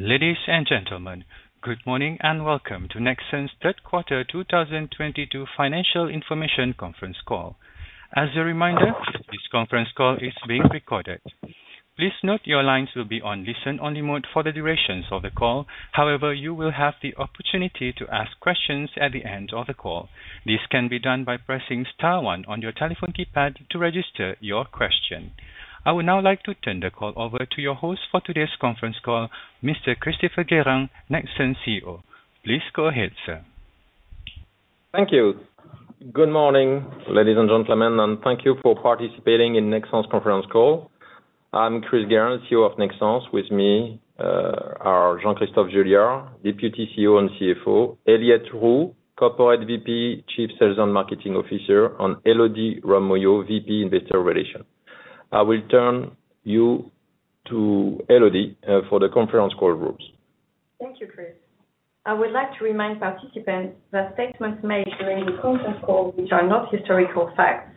Ladies and gentlemen, good morning, and welcome to Nexans' third quarter 2022 financial information conference call. As a reminder, this conference call is being recorded. Please note your lines will be on listen-only mode for the duration of the call. However, you will have the opportunity to ask questions at the end of the call. This can be done by pressing star one on your telephone keypad to register your question. I would now like to turn the call over to your host for today's conference call, Mr. Christopher Guérin, Nexans CEO. Please go ahead, sir. Thank you. Good morning, ladies and gentlemen, and thank you for participating in Nexans conference call. I'm Chris Guérin, CEO of Nexans. With me are Jean-Christophe Juillard, Deputy CEO and CFO, Elyette Roux, Corporate VP Chief Sales and Marketing Officer, and Elodie Robbe-Mouillot, VP Investor Relations. I will turn it over toElodie for the conference call rules. Thank you, Chris. I would like to remind participants that statements made during the conference call which are not historical facts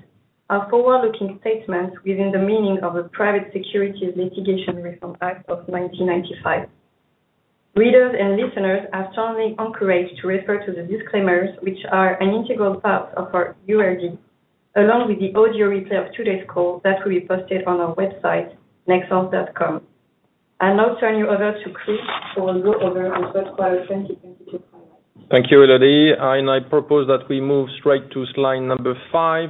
are forward-looking statements within the meaning of the Private Securities Litigation Reform Act of 1995. Readers and listeners are strongly encouraged to refer to the disclaimers which are an integral part of our URD, along with the audio replay of today's call that will be posted on our website, nexans.com. I'll now turn you over to Chris to go over our third quarter 2022 highlights. Thank you, Elodie. I propose that we move straight to slide number 5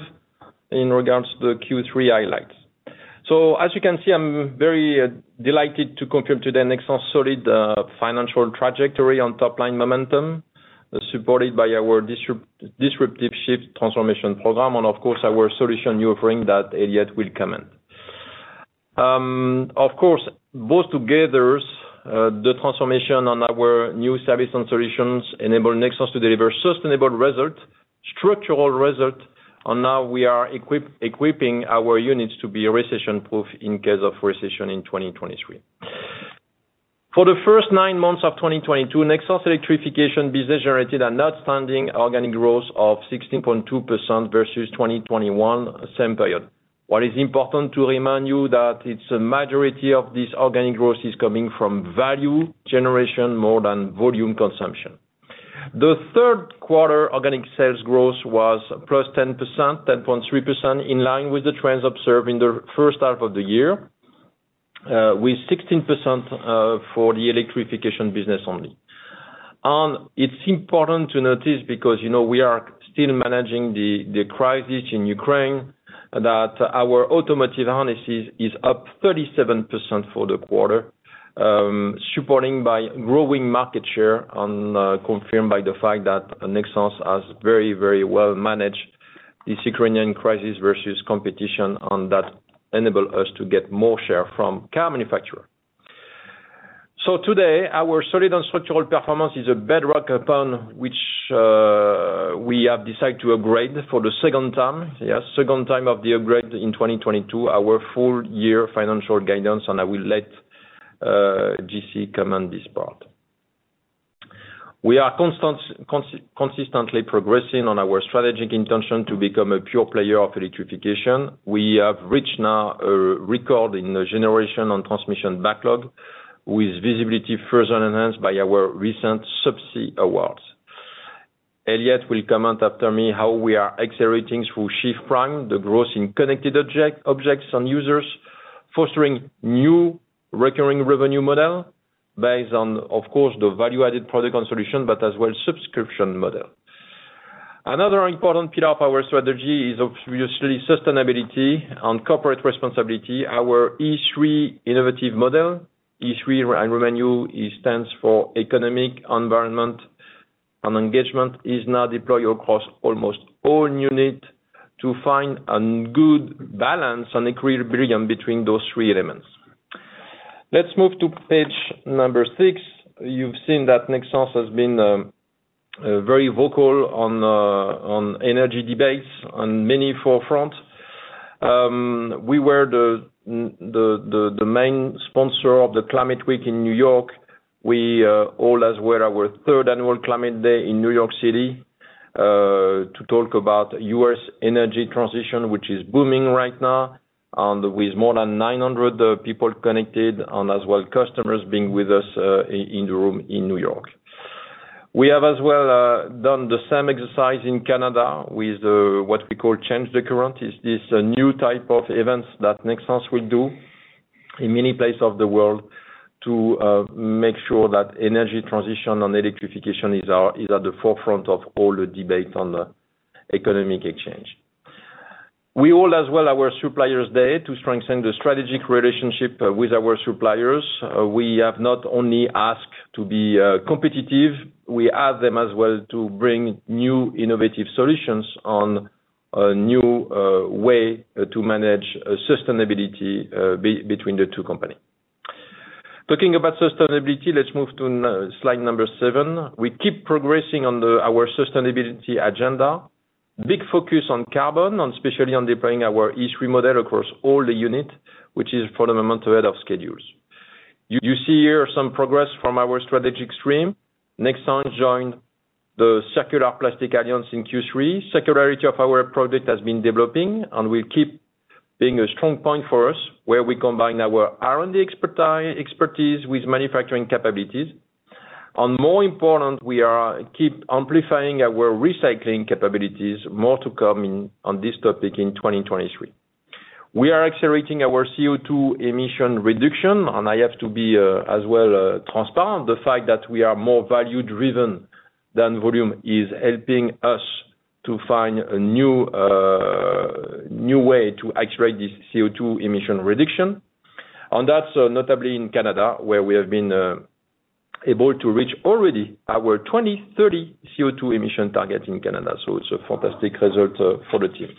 in regards to the Q3 highlights. As you can see, I'm very delighted to come here today. Nexans solid financial trajectory on top-line momentum, supported by our disruptive SHIFT transformation program and of course, our solution offering that Elyette will comment. Of course, both together, the transformation on our new service and solutions enable Nexans to deliver sustainable result, structural result, and now we are equipping our units to be recession-proof in case of recession in 2023. For the first 9 months of 2022, Nexans electrification business generated an outstanding organic growth of 16.2% versus 2021 same period. What is important to remind you that it's a majority of this organic growth is coming from value generation more than volume consumption. The third quarter organic sales growth was +10%, 10.3%, in line with the trends observed in the first half of the year, with 16% for the electrification business only. It's important to notice because, you know, we are still managing the crisis in Ukraine, that our automotive harnesses is up 37% for the quarter, supporting by growing market share and, confirmed by the fact that Nexans has very, very well managed this Ukrainian crisis versus competition, and that enable us to get more share from car manufacturer. Today, our solid and structural performance is a bedrock upon which, we have decided to upgrade for the second time. Yes, second time of the upgrade in 2022, our full year financial guidance, and I will let, JC comment this part. We are consistently progressing on our strategic intention to become a pure player of electrification. We have reached now a record in the generation and transmission backlog with visibility further enhanced by our recent subsea awards. Elyette will comment after me how we are accelerating through SHIFT Prime, the growth in connected object, objects and users, fostering new recurring revenue model based on, of course, the value-added product and solution, but as well subscription model. Another important pillar of our strategy is obviously sustainability and corporate responsibility. Our E3 innovative model, E3 revenue, it stands for economic, environment, and engagement, is now deployed across almost all unit to find a good balance and equilibrium between those three elements. Let's move to page number six. You've seen that Nexans has been very vocal on energy debates on many forefronts. We were the main sponsor of the Climate Week NYC. We also as well our third annual Climate Day in New York City to talk about US energy transition, which is booming right now, and with more than 900 people connected, and as well customers being with us in the room in New York. We have as well done the same exercise in Canada with what we call Change the Current. It's this new type of events that Nexans will do in many places of the world to make sure that energy transition and electrification is at the forefront of all the debate on the economic exchange. We hold as well our Suppliers Day to strengthen the strategic relationship with our suppliers. We have not only asked to be competitive, we ask them as well to bring new innovative solutions on a new way to manage sustainability between the two companies. Talking about sustainability, let's move to slide number seven. We keep progressing on our sustainability agenda. Big focus on carbon, especially on deploying our E3 model across all the units, which is for the moment ahead of schedules. You see here some progress from our strategic stream. Nexans joined the Circular Plastics Alliance in Q3. Circularity of our product has been developing, and we'll keep being a strong point for us, where we combine our R&D expertise with manufacturing capabilities. More important, we keep amplifying our recycling capabilities. More to come on this topic in 2023. We are accelerating our CO2 emission reduction, and I have to be as well transparent. The fact that we are more value-driven than volume is helping us to find a new way to accelerate this CO2 emission reduction. On that, notably in Canada, where we have been able to reach already our 2030 CO2 emission target in Canada. It's a fantastic result for the team.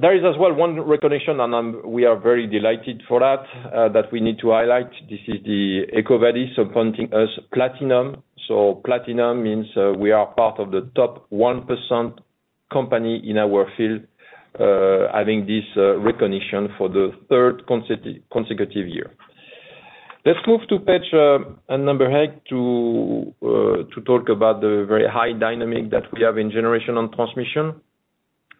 There is as well one recognition, and we are very delighted for that that we need to highlight. This is the EcoVadis awarding us Platinum. Platinum means we are part of the top 1% of companies in our field having this recognition for the third consecutive year. Let's move to page number eight to talk about the very high dynamic that we have in generation & transmission.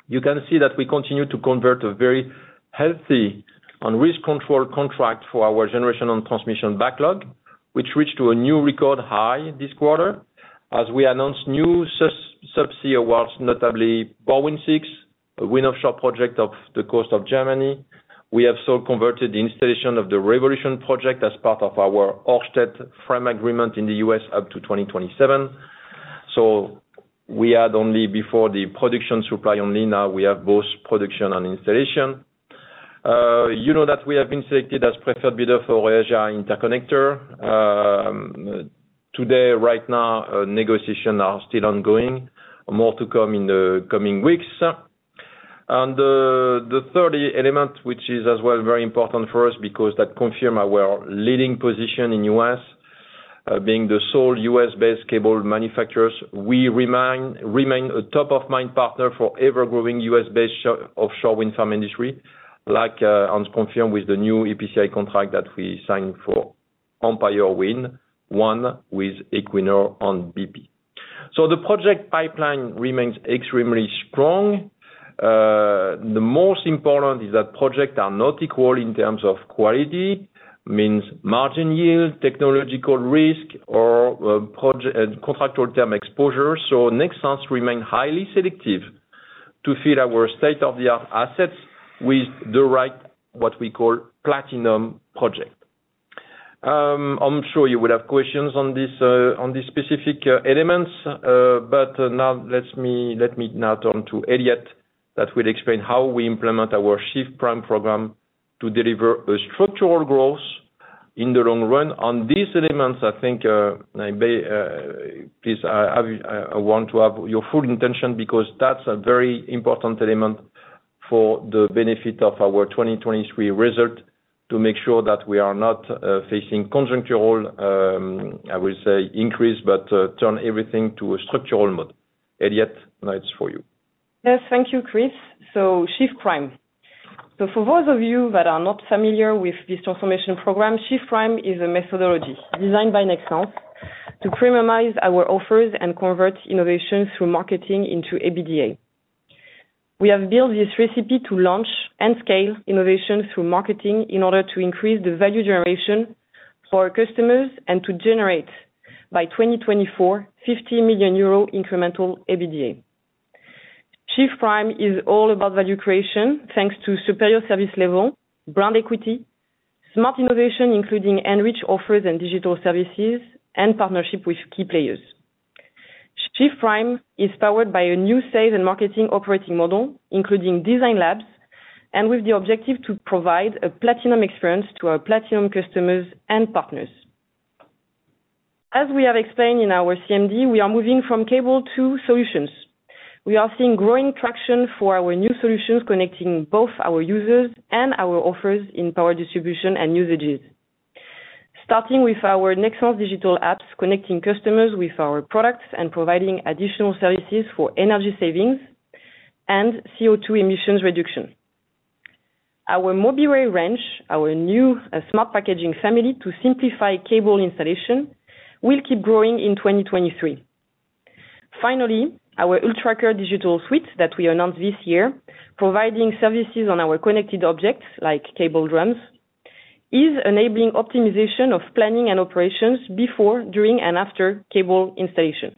You can see that we continue to convert a very healthy and risk-controlled contract for our generation & transmission backlog, which reached a new record high this quarter as we announced new subsea awards, notably BorWin6, a wind offshore project off the coast of Germany. We have also converted the installation of the Revolution Wind project as part of our Ørsted frame agreement in the US up to 2027. We had only before the production supply only. Now we have both production and installation. You know that we have been selected as preferred bidder for EuroAsia Interconnector. Today, right now, negotiations are still ongoing. More to come in the coming weeks. The third element, which is as well very important for us because that confirm our leading position in US, being the sole US-based cable manufacturers, we remain a top-of-mind partner for ever-growing US-based offshore wind farm industry. Like, and confirmed with the new EPCI contract that we signed for Empire Wind 1 with Equinor and BP. The project pipeline remains extremely strong. The most important is that project are not equal in terms of quality, means margin yield, technological risk or, contractual term exposure. Nexans remain highly selective to fit our state-of-the-art assets with the right, what we call platinum project. I'm sure you will have questions on this, on these specific elements. Now let me now turn to Elyette, that will explain how we implement our SHIFT Prime program to deliver a structural growth in the long run. On these elements, I think, please, I want to have your full attention because that's a very important element for the benefit of our 2023 result, to make sure that we are not facing conjectural, I will say, increase, turn everything to a structural mode. Elyette, now it's for you. Yes, thank you, Chris. SHIFT Prime. For those of you that are not familiar with this transformation program, SHIFT Prime is a methodology designed by Nexans to premiumize our offers and convert innovation through marketing into EBITDA. We have built this recipe to launch and scale innovation through marketing in order to increase the value generation for our customers and to generate by 2024 EUR 50 million incremental EBITDA. SHIFT Prime is all about value creation thanks to superior service level, brand equity, smart innovation, including enriched offers and digital services, and partnership with key players. SHIFT Prime is powered by a new sales and marketing operating model, including design labs, and with the objective to provide a platinum experience to our platinum customers and partners. As we have explained in our CMD, we are moving from cable to solutions. We are seeing growing traction for our new solutions, connecting both our users and our offers in power distribution and usages. Starting with our Nexans digital apps, connecting customers with our products and providing additional services for energy savings and CO2 emissions reduction. Our MOBIWAY range, our new smart packaging family to simplify cable installation, will keep growing in 2023. Finally, our ULTRACKER digital suite that we announced this year, providing services on our connected objects like cable drums, is enabling optimization of planning and operations before, during, and after cable installation.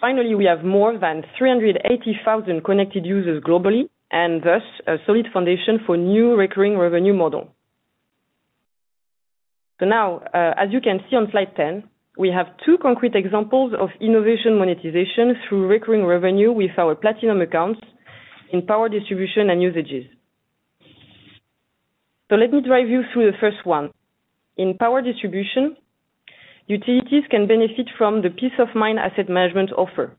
Finally, we have more than 380,000 connected users globally and thus a solid foundation for new recurring revenue model. Now, as you can see on slide 10, we have two concrete examples of innovation monetization through recurring revenue with our platinum accounts in power distribution and usages. Let me drive you through the first one. In power distribution, utilities can benefit from the peace-of-mind asset management offer.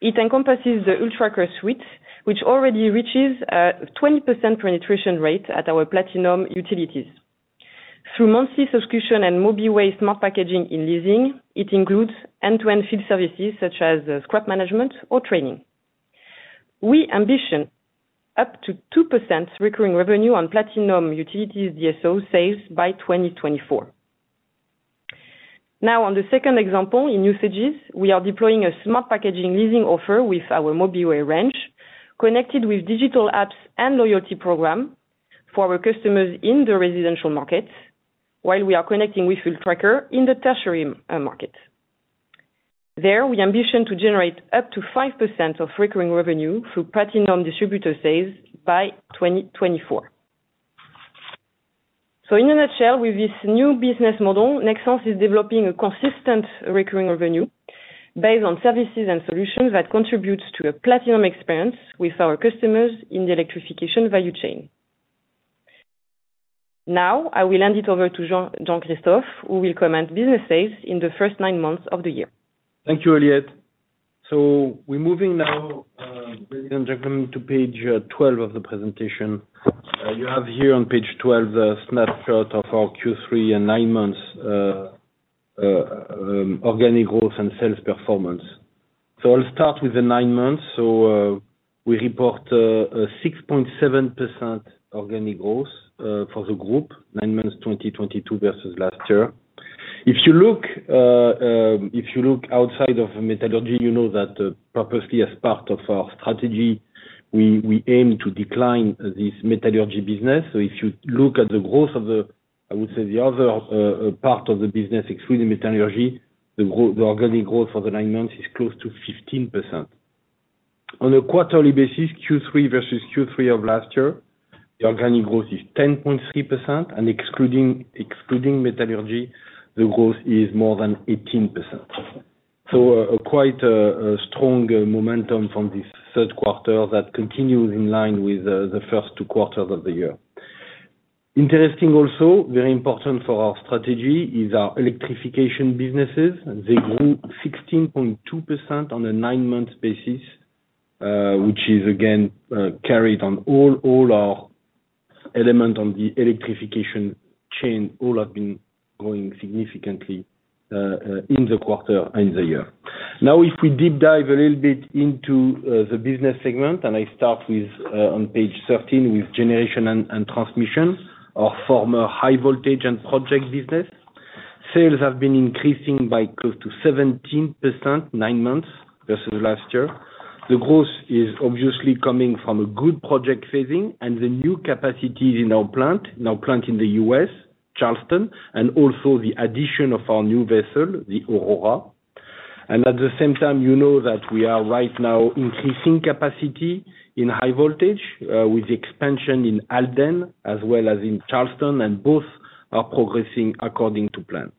It encompasses the ULTRACKER suite, which already reaches 20% penetration rate at our platinum utilities. Through monthly subscription and MOBIWAY smart packaging in leasing, it includes end-to-end field services such as scrap management or training. We ambition up to 2% recurring revenue on platinum utilities DSO sales by 2024. Now on the second example, in usages, we are deploying a smart packaging leasing offer with our MOBIWAY range, connected with digital apps and loyalty program for our customers in the residential market. While we are connecting with ULTRACKER in the tertiary market. There, we ambition to generate up to 5% of recurring revenue through platinum distributor sales by 2024. In a nutshell, with this new business model, Nexans is developing a consistent recurring revenue based on services and solutions that contributes to a platinum experience with our customers in the electrification value chain. Now, I will hand it over to Jean-Christophe, who will comment on business sales in the first nine months of the year. Thank you, Elyette. We're moving now, ladies and gentlemen, to page 12 of the presentation. You have here on page 12 a snapshot of our Q3 and nine months organic growth and sales performance. I'll start with the nine months. We report a 6.7% organic growth for the group, nine months 2022 versus last year. If you look outside of metallurgy, you know that purposely as part of our strategy, we aim to decline this metallurgy business. If you look at the growth of the, I would say, the other part of the business excluding metallurgy, the organic growth for the nine months is close to 15%. On a quarterly basis, Q3 versus Q3 of last year, the organic growth is 10.3%, and excluding metallurgy, the growth is more than 18%. Quite a strong momentum from this third quarter that continues in line with the first two quarters of the year. Interesting also, very important for our strategy is our electrification businesses. They grew 16.2% on a nine-month basis, which is again carried on all our element on the electrification chain, all have been growing significantly in the quarter and the year. Now, if we deep dive a little bit into the business segment, and I start with on page 13 with generation and transmission, our former high voltage and project business. Sales have been increasing by close to 17% nine months versus last year. The growth is obviously coming from a good project saving and the new capacities in our plant in the US, Charleston, and also the addition of our new vessel, the Aurora. At the same time, you know that we are right now increasing capacity in high voltage with expansion in Halden as well as in Charleston, and both are progressing according to plan.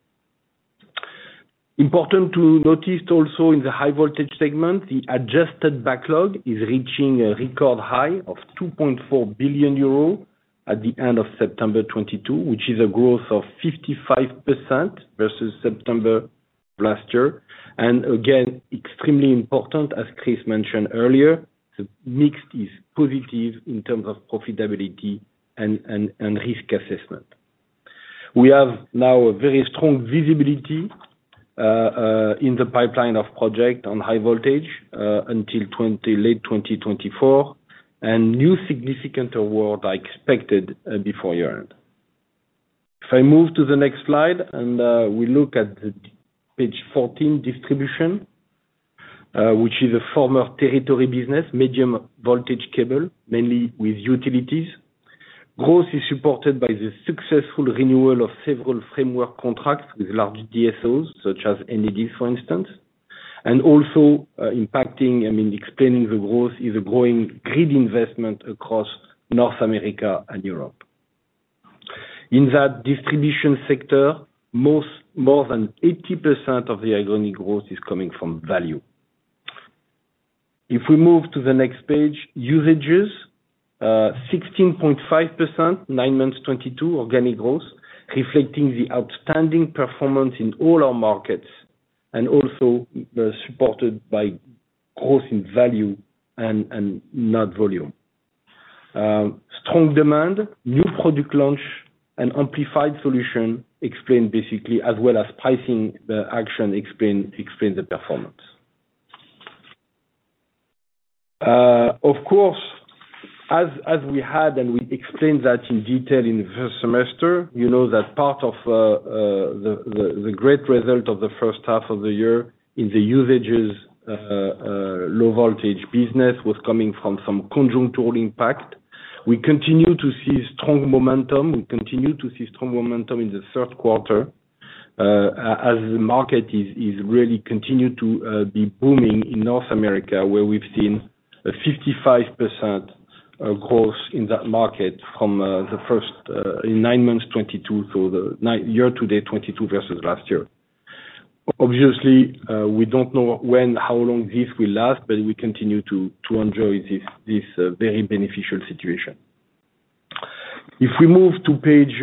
Important to notice also in the high voltage segment, the adjusted backlog is reaching a record high of 2.4 billion euro at the end of September 2022, which is a growth of 55% versus September last year. Again, extremely important, as Chris mentioned earlier, the mix is positive in terms of profitability and risk assessment. We have now a very strong visibility in the pipeline of project on high voltage until twenty. Late 2024, and new significant awards are expected before year-end. If I move to the next slide and we look at page 14 distribution, which is a former territory business, medium voltage cable, mainly with utilities. Growth is supported by the successful renewal of several framework contracts with large DSOs, such as ENGIE, for instance, and also, I mean explaining the growth is a growing grid investment across North America and Europe. In that distribution sector, more than 80% of the organic growth is coming from value. If we move to the next page, usages, 16.5%, nine months 2022 organic growth, reflecting the outstanding performance in all our markets and also, supported by growth in value and not volume. Strong demand, new product launch and amplified solution basically explain, as well as pricing actions, the performance. Of course, as we had and we explained that in detail in the first semester, you know that part of the great result of the first half of the year in the Usage low voltage business was coming from some conjunctural impact. We continue to see strong momentum. We continue to see strong momentum in the third quarter, as the market is really continuing to be booming in North America, where we've seen a 55% growth in that market from the first nine months 2022, so the year to date 2022 versus last year. Obviously, we don't know when, how long this will last, but we continue to enjoy this very beneficial situation. If we move to page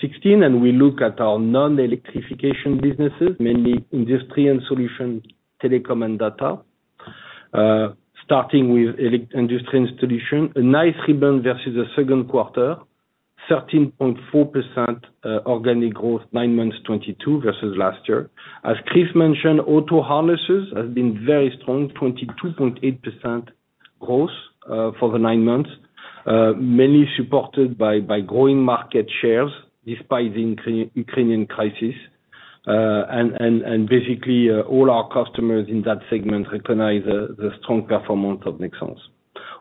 16, and we look at our non-electrification businesses, mainly Industry & Solutions, Telecom & Data. Starting with Industry & Solutions, a nice rebound versus the second quarter, 13.4% organic growth, nine months 2022 versus last year. As Chris mentioned, auto harnesses has been very strong, 22.8% growth for the nine months. Many supported by growing market shares despite the Ukrainian crisis, and basically, all our customers in that segment recognize the strong performance of Nexans.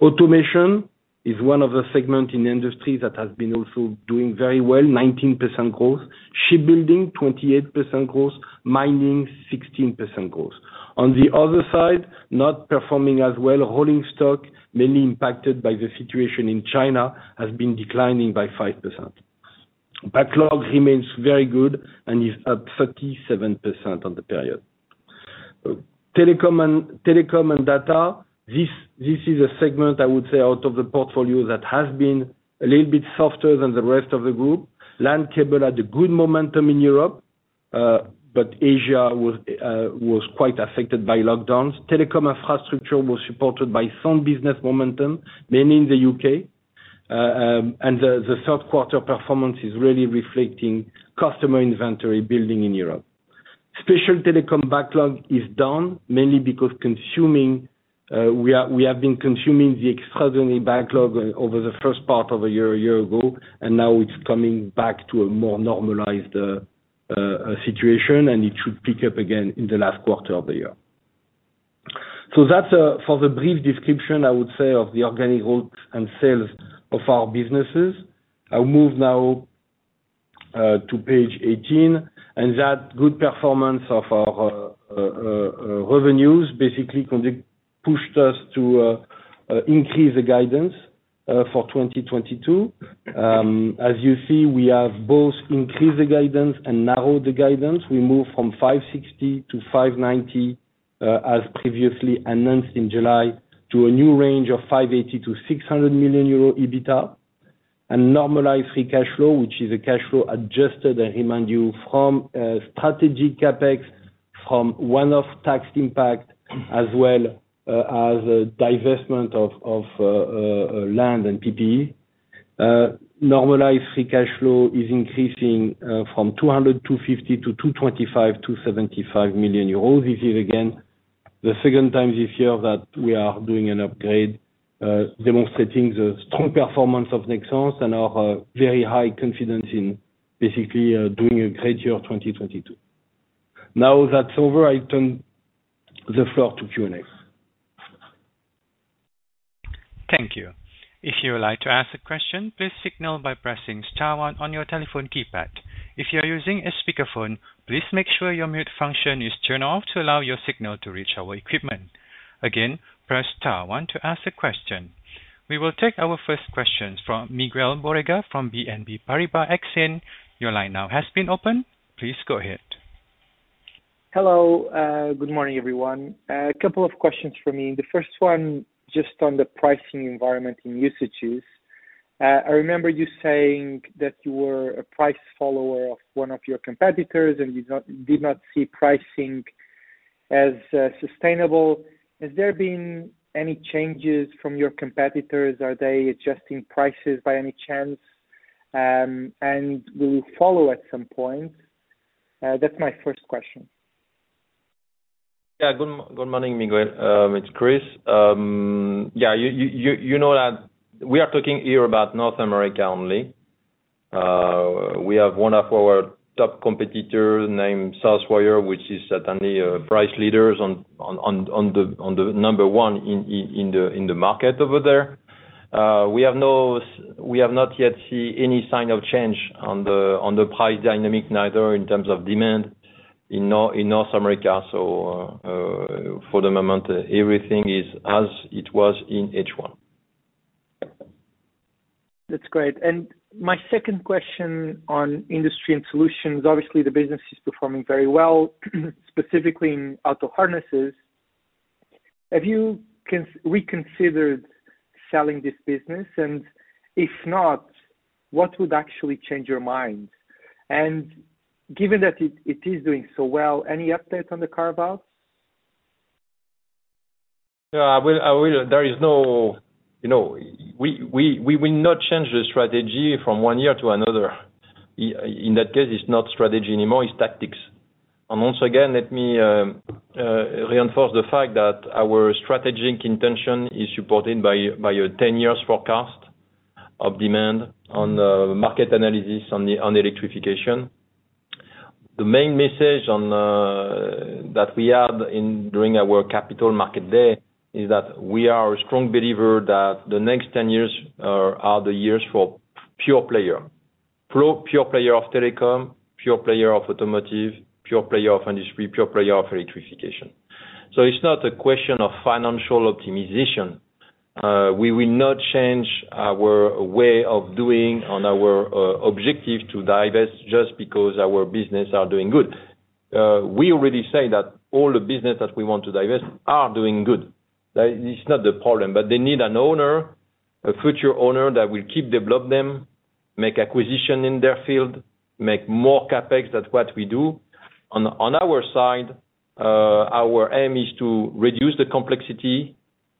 Automation is one of the segment in the industry that has been also doing very well, 19% growth. Shipbuilding, 28% growth. Mining, 16% growth. On the other side, not performing as well, rolling stock, mainly impacted by the situation in China, has been declining by 5%. Backlog remains very good and is up 37% on the period. Telecom and data. This is a segment I would say out of the portfolio that has been a little bit softer than the rest of the group. Land cable had a good momentum in Europe, but Asia was quite affected by lockdowns. Telecom infrastructure was supported by some business momentum, mainly in the UK. The third quarter performance is really reflecting customer inventory building in Europe. Specifically, telecom backlog is down mainly because consuming, we have been consuming the extraordinary backlog over the first part of the year, a year ago, and now it's coming back to a more normalized situation, and it should pick up again in the last quarter of the year. That's for the brief description I would say of the organic growth and sales of our businesses. I'll move now to page 18. That good performance of our revenues basically pushed us to increase the guidance for 2022. As you see, we have both increased the guidance and narrowed the guidance. We moved from 560 to 590, as previously announced in July, to a new range of 580-600 million euro EBITA. Normalized free cash flow, which is a cash flow adjusted, I remind you, from strategic CapEx, from one-off tax impact, as well, as divestment of land and PPE. Normalized free cash flow is increasing from 200-250 to 225-275 million euros. This is again, the second time this year that we are doing an upgrade, demonstrating the strong performance of Nexans and our very high confidence in basically doing a great year 2022. Now that's over, I turn the floor to Q&A. Thank you. If you would like to ask a question, please signal by pressing star one on your telephone keypad. If you are using a speakerphone, please make sure your mute function is turned off to allow your signal to reach our equipment. Again, press star one to ask a question. We will take our first question from Miguel Borrega from BNP Paribas Exane. Your line now has been opened. Please go ahead. Hello. Good morning, everyone. A couple of questions from me. The first one, just on the pricing environment in Europe. I remember you saying that you were a price follower of one of your competitors and you did not see pricing as sustainable. Has there been any changes from your competitors? Are they adjusting prices by any chance? Will you follow at some point? That's my first question. Yeah. Good morning, Miguel Borrega. It's Chris Guérin. Yeah, you know that we are talking here about North America only. We have one of our top competitors named Southwire, which is certainly a price leader on the number one in the market over there. We have not yet seen any sign of change on the price dynamic, neither in terms of demand in North America. For the moment, everything is as it was in H1. That's great. My second question on industry and solutions. Obviously, the business is performing very well, specifically in auto harnesses. Have you reconsidered selling this business? If not, what would actually change your mind? Given that it is doing so well, any update on the carve out? Yeah, I will. There is no. You know, we will not change the strategy from one year to another. In that case, it's not strategy anymore, it's tactics. Once again, let me reinforce the fact that our strategic intention is supported by a 10-year forecast of demand on the market analysis on the electrification. The main message that we had during our capital market day is that we are a strong believer that the next 10 years are the years for pure player. Pure player of telecom, pure player of automotive, pure player of industry, pure player of electrification. So it's not a question of financial optimization. We will not change our way of doing on our objective to divest just because our business are doing good. We already say that all the business that we want to divest are doing good. That is not the problem, but they need an owner, a future owner that will keep develop them, make acquisition in their field, make more CapEx than what we do. On our side, our aim is to reduce the complexity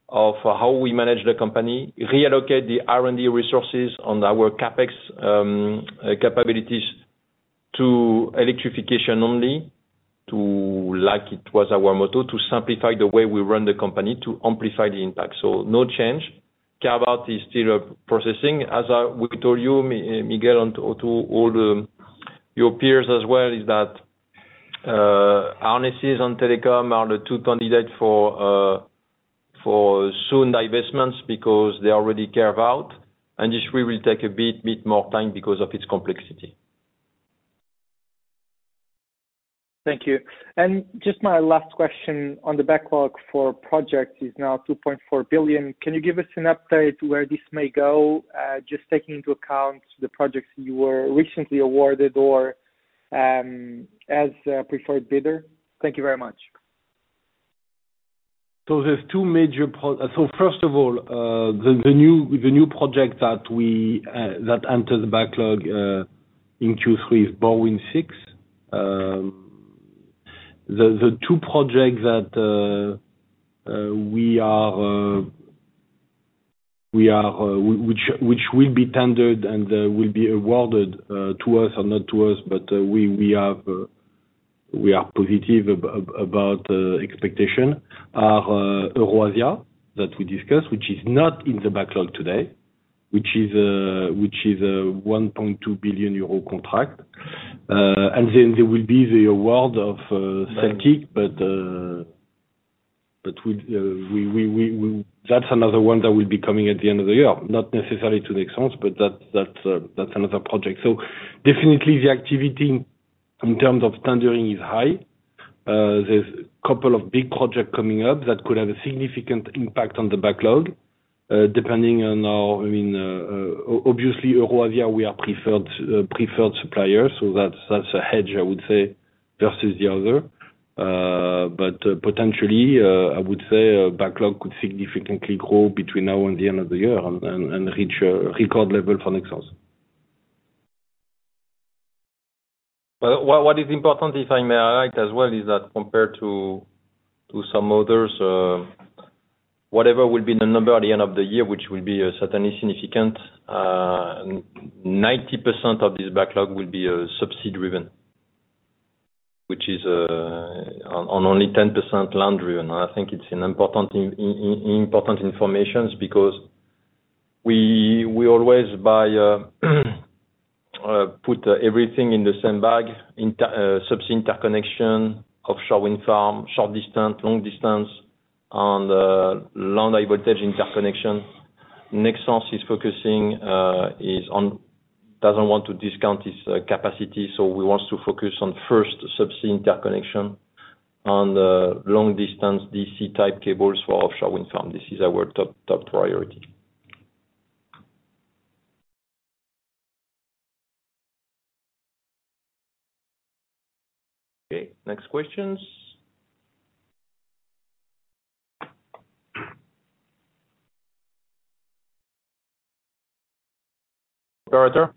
of how we manage the company, reallocate the R&D resources on our CapEx, capabilities to electrification only to like it was our motto, to simplify the way we run the company, to amplify the impact. No change. Carve-out is still processing. As we told you, Miguel, and to all your peers as well, is that, harnesses and telecom are the two candidates for soon divestments because they already carve-out, and this really will take a bit more time because of its complexity. Thank you. Just my last question on the backlog for projects is now 2.4 billion. Can you give us an update where this may go? Just taking into account the projects you were recently awarded or, as a preferred bidder? Thank you very much. First of all, the new project that entered the backlog in Q3 is BorWin6. The two projects that will be tendered and will be awarded to us or not to us, but we are positive about expectations are EuroAsia, that we discussed, which is not in the backlog today, which is 1.2 billion euro contract. And then there will be the award of. Right. Celtic. That's another one that will be coming at the end of the year, not necessarily to Nexans, but that's another project. Definitely the activity in terms of tendering is high. There's a couple of big projects coming up that could have a significant impact on the backlog, depending on our, I mean, obviously, EuroAsia, we are preferred supplier, so that's a hedge, I would say, versus the other. Potentially, I would say a backlog could significantly grow between now and the end of the year and reach a record level for Nexans. Well, what is important, if I may add as well, is that compared to some others, whatever will be the number at the end of the year, which will be certainly significant, 90% of this backlog will be subsea driven. Which is on only 10% land driven. I think it's an important information because we always put everything in the same bag, subsea interconnection, offshore wind farm, short distance, long distance, and land high voltage interconnection. Nexans is focusing, doesn't want to discount its capacity, so we want to focus on first subsea interconnection and long distance DC type cables for offshore wind farm. This is our top priority. Okay. Next questions? Operator?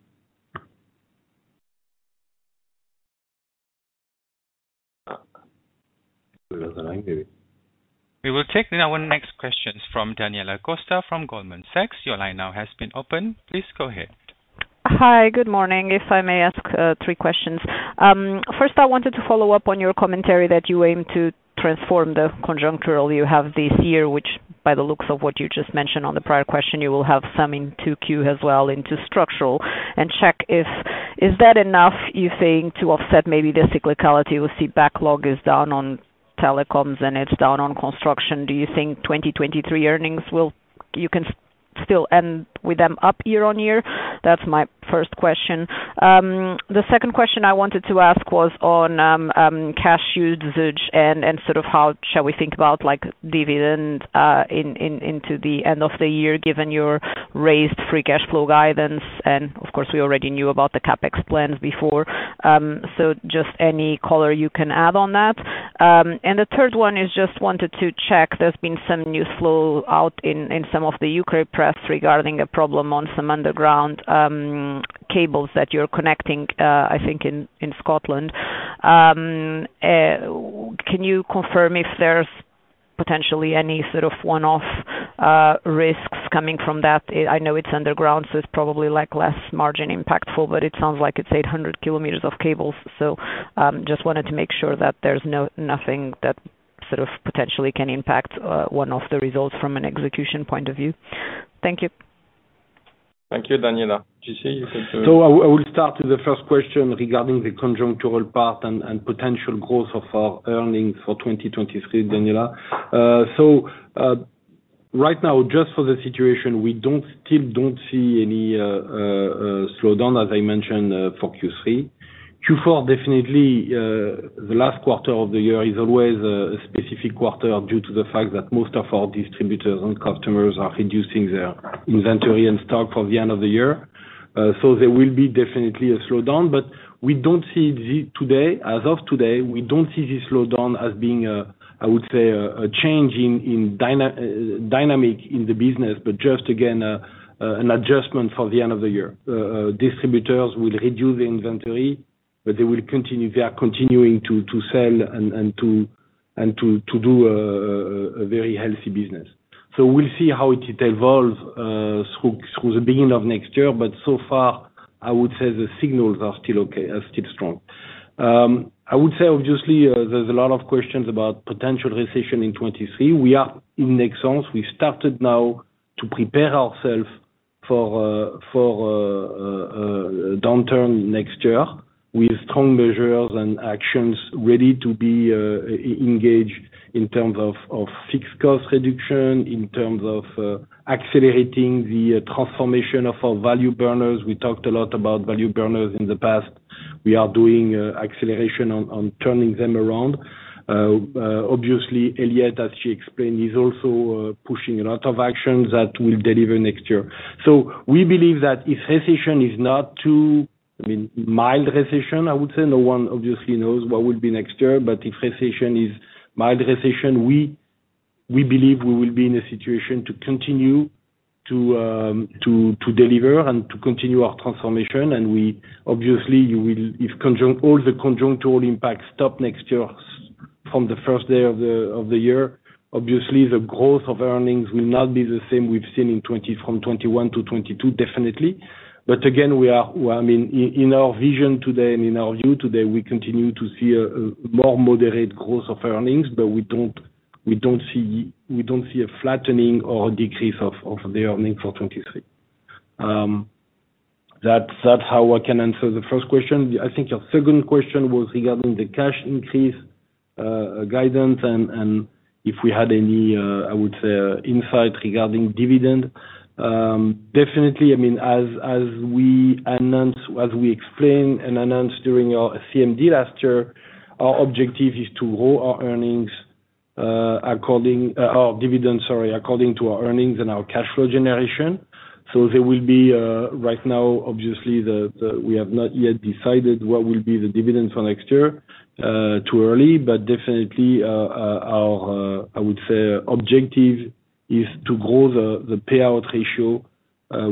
Where is the line going? We will take now our next questions from Daniela Costa from Goldman Sachs. Your line now has been opened. Please go ahead. Hi. Good morning. If I may ask, three questions. First I wanted to follow up on your commentary that you aim to transform the conjunctural growth you have this year, which by the looks of what you just mentioned on the prior question, you will have some in 2Q as well into structural. Check if that is enough, you think, to offset maybe the cyclicality? We see backlog is down on telecoms and it's down on construction. Do you think 2023 earnings will still end up year-on-year? That's my first question. The second question I wanted to ask was on cash usage and sort of how shall we think about like dividend into the end of the year, given your raised free cash flow guidance, and of course, we already knew about the CapEx plans before. Just any color you can add on that. The third one is just wanted to check, there's been some news flow out in some of the Ukrainian press regarding a problem on some underground cables that you're connecting, I think in Scotland. Can you confirm if there's potentially any sort of one-off risks coming from that? I know it's underground, so it's probably like less margin impactful, but it sounds like it's 800 kilometers of cables. Just wanted to make sure that there's nothing that sort of potentially can impact one of the results from an execution point of view. Thank you. Thank you, Daniela. JC, you can. I will start with the first question regarding the conjunctural part and potential growth of our earnings for 2023, Daniela. Right now, just for the situation, we don't see any slowdown, as I mentioned, for Q3. Q4, definitely, the last quarter of the year is always a specific quarter due to the fact that most of our distributors and customers are reducing their inventory and stock for the end of the year. There will be definitely a slowdown, but we don't see it today, as of today, we don't see this slowdown as being, I would say, a change in dynamics in the business, but just again, an adjustment for the end of the year. Distributors will reduce the inventory, but they are continuing to sell and to do a very healthy business. We'll see how it evolves through the beginning of next year. So far, I would say the signals are still okay, are still strong. I would say, obviously, there's a lot of questions about potential recession in 2023. We are in Nexans, we started now to prepare ourself for a downturn next year with strong measures and actions ready to be engage in terms of fixed cost reduction, in terms of accelerating the transformation of our Value Burners. We talked a lot about Value Burners in the past. We are doing acceleration on turning them around. Obviously, Elyette, as she explained, is also pushing a lot of actions that will deliver next year. We believe that if recession is not too, I mean, mild recession, I would say. No one obviously knows what will be next year. If recession is mild recession, we believe we will be in a situation to continue to deliver and to continue our transformation. Obviously, you will—if all the conjunctural impacts stop next year from the first day of the year. Obviously, the growth of earnings will not be the same we've seen from 2021 to 2022, definitely. Again, we—I mean, in our vision today and in our view today, we continue to see a more moderate growth of earnings. We don't see a flattening or a decrease of the earnings for 2023. That's how I can answer the first question. I think your second question was regarding the cash increase, guidance and if we had any, I would say insight regarding dividend. Definitely, I mean, as we announced, as we explained and announced during our CMD last year, our objective is to grow our earnings, our dividend, sorry, according to our earnings and our cash flow generation. There will be, right now, obviously, we have not yet decided what will be the dividend for next year, too early. Definitely, our I would say objective is to grow the payout ratio.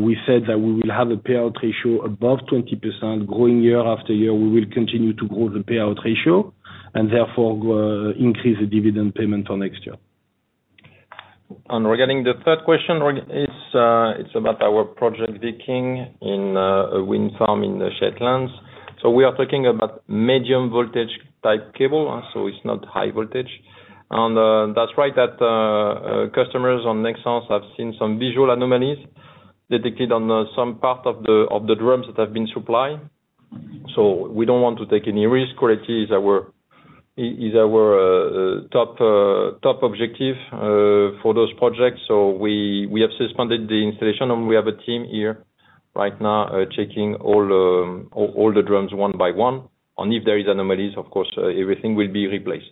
We said that we will have a payout ratio above 20% growing year after year. We will continue to grow the payout ratio and therefore increase the dividend payment for next year. Regarding the third question, it's about our project, Viking, in a wind farm in the Shetlands. We are talking about medium voltage type cable, so it's not high voltage. That's right that customers on Nexans have seen some visual anomalies detected on some part of the drums that have been supplied. We don't want to take any risk. Quality is our top objective for those projects. We have suspended the installation, and we have a team here right now checking all the drums one by one. If there is anomalies, of course, everything will be replaced.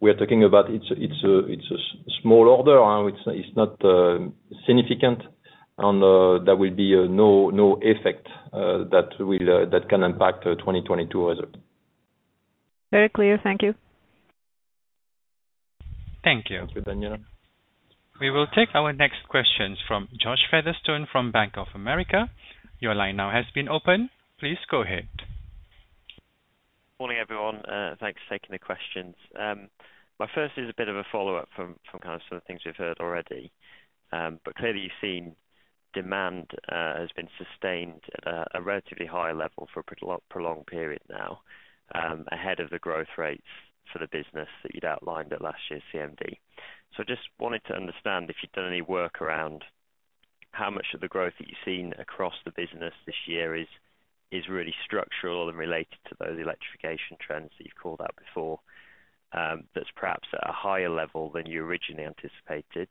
We are talking about it's a small order. It's not significant, and there will be no effect that can impact 2022 result. Very clear. Thank you. Thank you. Thank you, Daniela. We will take our next questions from Josh Featherstone from Bank of America. Your line now has been opened. Please go ahead. Morning, everyone. Thanks for taking the questions. My first is a bit of a follow-up from kind of some of the things we've heard already. Clearly you've seen demand has been sustained at a relatively high level for a pretty prolonged period now, ahead of the growth rates for the business that you'd outlined at last year's CMD. Just wanted to understand if you've done any work around how much of the growth that you've seen across the business this year is really structural and related to those electrification trends that you've called out before, that's perhaps at a higher level than you originally anticipated,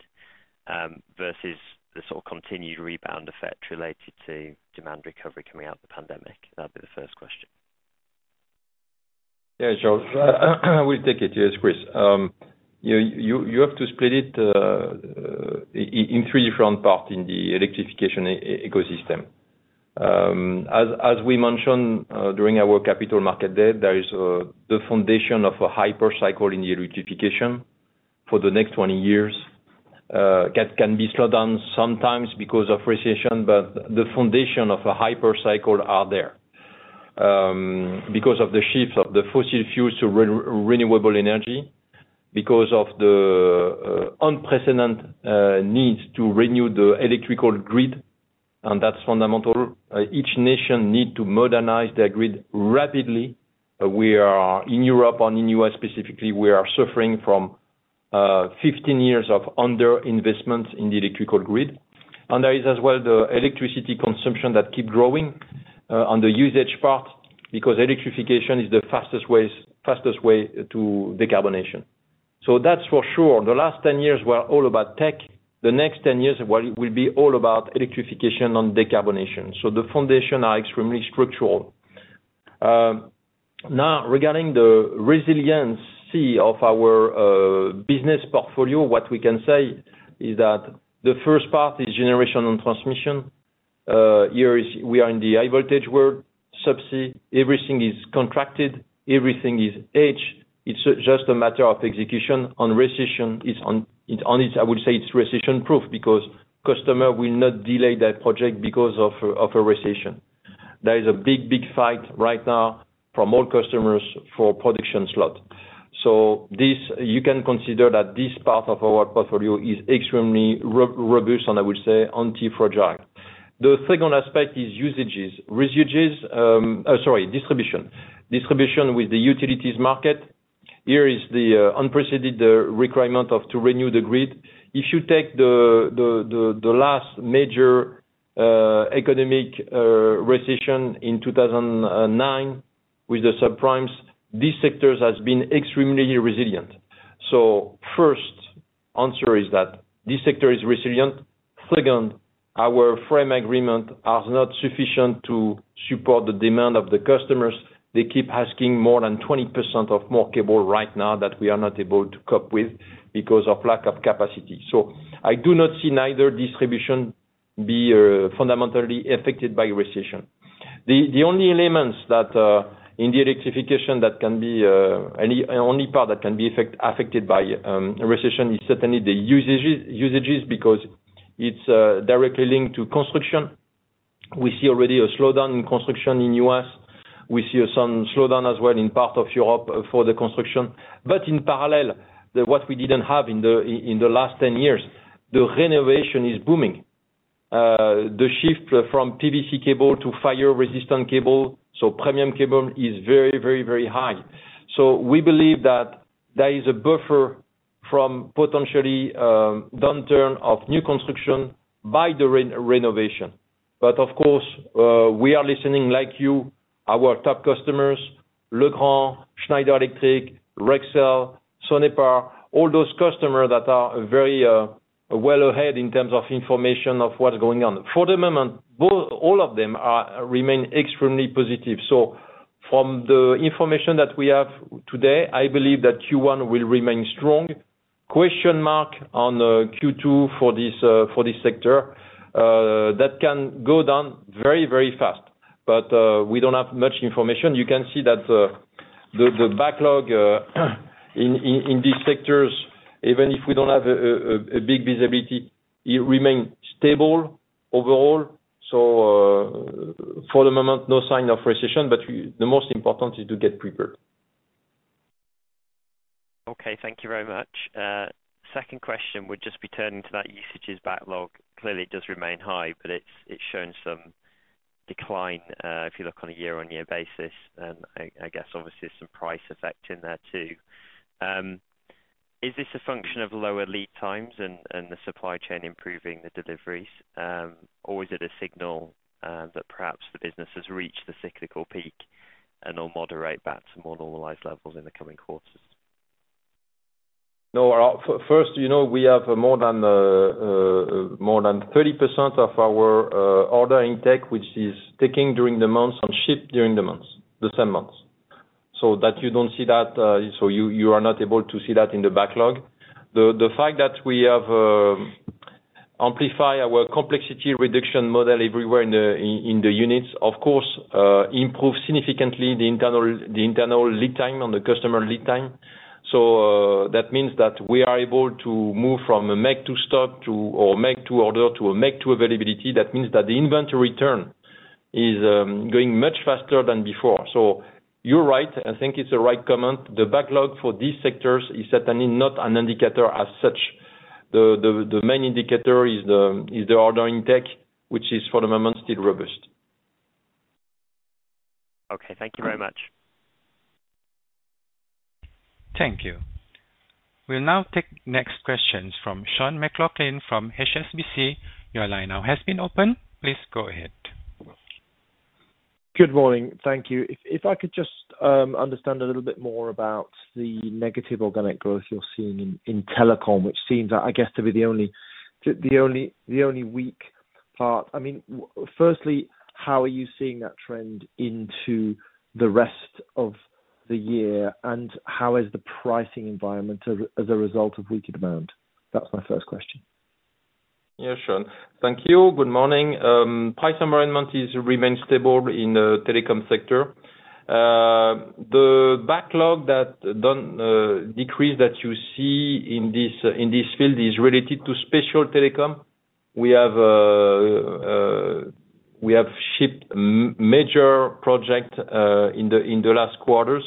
versus the sort of continued rebound effect related to demand recovery coming out the pandemic? That'd be the first question. Yeah, Josh. We'll take it. Yes, Chris. You have to split it in three different parts in the electrification ecosystem. As we mentioned during our capital market day, there is the foundation of a hypercycle in the electrification for the next 20 years. Can be slowed down sometimes because of recession, but the foundation of a hypercycle are there because of the shifts of the fossil fuels to renewable energy, because of the unprecedented needs to renew the electrical grid, and that's fundamental. Each nation need to modernize their grid rapidly. We are in Europe and in U.S. specifically, we are suffering from 15 years of underinvestment in the electrical grid. There is as well the electricity consumption that keep growing on the usage part because electrification is the fastest way to decarbonation. That's for sure. The last 10 years were all about tech. The next 10 years will be all about electrification and decarbonation. The foundation are extremely structural. Now regarding the resiliency of our business portfolio, what we can say is that the first part is generation and transmission. Here we are in the high voltage world subsea. Everything is contracted, everything is hedged. It's just a matter of execution on recession. It's on it, I would say it's recession-proof because customers will not delay that project because of a recession. There is a big fight right now from all customers for production slot. You can consider that this part of our portfolio is extremely robust, and I would say anti-fragile. The second aspect is distribution. Distribution with the utilities market. Here is the unprecedented requirement to renew the grid. If you take the last major economic recession in 2009 with the subprime, these sectors has been extremely resilient. First answer is that this sector is resilient. Second, our frame agreement are not sufficient to support the demand of the customers. They keep asking more than 20% more cable right now that we are not able to cope with because of lack of capacity. I do not see neither distribution be fundamentally affected by recession. The only part that can be affected by a recession is certainly the usages because it's directly linked to construction. We see already a slowdown in construction in the U.S. We see some slowdown as well in part of Europe for the construction. In parallel, what we didn't have in the last 10 years, the renovation is booming. The shift from PVC cable to fire-resistant cable, so premium cable is very high. We believe that there is a buffer from potentially downturn of new construction by the renovation. Of course, we are listening like you, our top customers, Legrand, Schneider Electric, Rexel, Sonepar, all those customers that are very well ahead in terms of information of what is going on. For the moment, all of them remain extremely positive. From the information that we have today, I believe that Q1 will remain strong. Question mark on Q2 for this sector that can go down very, very fast. We don't have much information. You can see that the backlog in these sectors, even if we don't have a big visibility, it remain stable overall. For the moment, no sign of recession, but the most important is to get prepared. Okay, thank you very much. Second question would just be turning to that orders backlog. Clearly, it does remain high, but it's shown some decline if you look on a year-on-year basis. I guess obviously there's some price effect in there too. Is this a function of lower lead times and the supply chain improving the deliveries? Or is it a signal that perhaps the business has reached the cyclical peak and will moderate back to more normalized levels in the coming quarters? No. First, you know, we have more than 30% of our order intake, which is taken during the months on ship, during the months, the same months. That you don't see that, you are not able to see that in the backlog. The fact that we have amplified our complexity reduction model everywhere in the units, of course, improves significantly the internal lead time and the customer lead time. That means that we are able to move from a make to stock to or make to order to a make to availability. That means that the inventory turn is going much faster than before. You're right. I think it's the right comment. The backlog for these sectors is certainly not an indicator as such. The main indicator is the order intake, which is for the moment still robust. Okay. Thank you very much. Thank you. We'll now take next questions from Sean McLoughlin from HSBC. Your line now has been opened. Please go ahead. Good morning. Thank you. If I could just understand a little bit more about the negative organic growth you're seeing in telecom, which seems, I guess, to be the only weak part. I mean, firstly, how are you seeing that trend into the rest of the year? How is the pricing environment as a result of weaker demand? That's my first question. Yeah, Sean. Thank you. Good morning. Price environment remains stable in the telecom sector. The backlog that doesn't decrease that you see in this field is related to special telecom. We have shipped major project in the last quarters.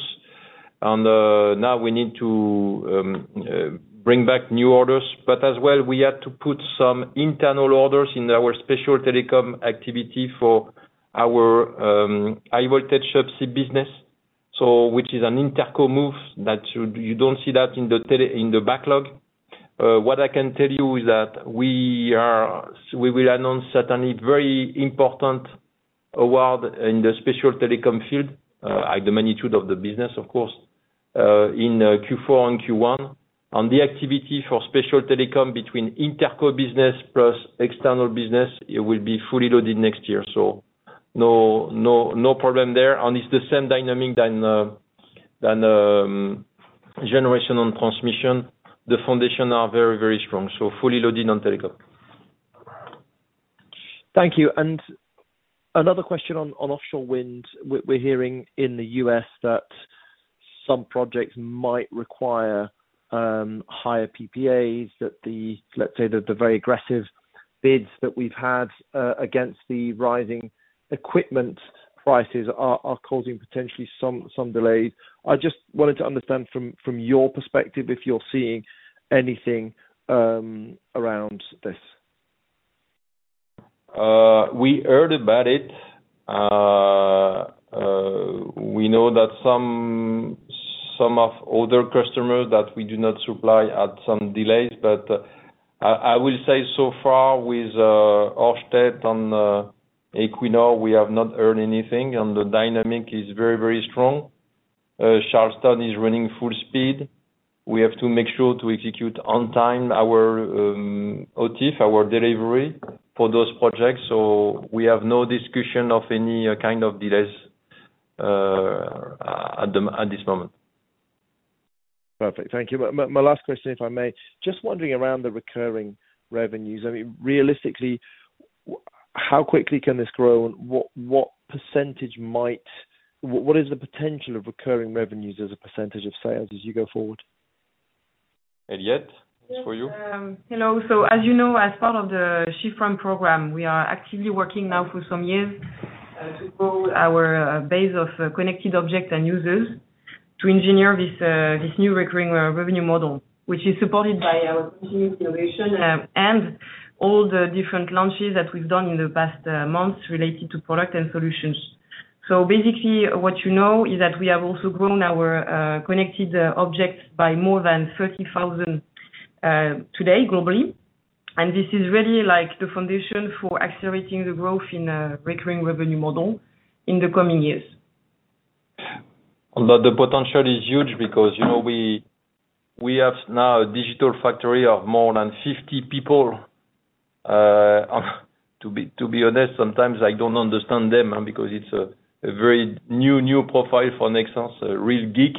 Now we need to bring back new orders, but as well, we had to put some internal orders in our special telecom activity for our high voltage subsea business. Which is an interco move that you don't see that in the backlog. What I can tell you is that we will announce certainly very important award in the special telecom field at the magnitude of the business, of course, in Q4 and Q1. On the activity for special telecom between interco business plus external business, it will be fully loaded next year. No problem there. It's the same dynamic as generation and transmission. The foundation are very, very strong, so fully loaded on telecom. Thank you. Another question on offshore wind. We're hearing in the US that some projects might require higher PPAs than the very aggressive bids that we've had against the rising equipment prices are causing potentially some delays. I just wanted to understand from your perspective if you're seeing anything around this. We heard about it. We know that some other customers that we do not supply had some delays, but I will say so far with Ørsted and Equinor, we have not heard anything, and the dynamic is very, very strong. Charleston is running full speed. We have to make sure to execute on time our OTIF, our delivery for those projects. We have no discussion of any kind of delays at this moment. Perfect. Thank you. My last question, if I may. Just wondering about the recurring revenues, I mean, realistically, how quickly can this grow and what percentage might. What is the potential of recurring revenues as a percentage of sales as you go forward? Elyette, it's for you. Yes. Hello. As you know, as part of the SHIFT Prime program, we are actively working now for some years to grow our base of connected objects and users to engineer this new recurring revenue model, which is supported by our continued innovation and all the different launches that we've done in the past months related to product and solutions. Basically, what you know is that we have also grown our connected objects by more than 30,000 today globally. This is really like the foundation for accelerating the growth in a recurring revenue model in the coming years. Although the potential is huge because, you know, we have now a digital factory of more than 50 people. To be honest, sometimes I don't understand them, because it's a very new profile for Nexans, a real geek.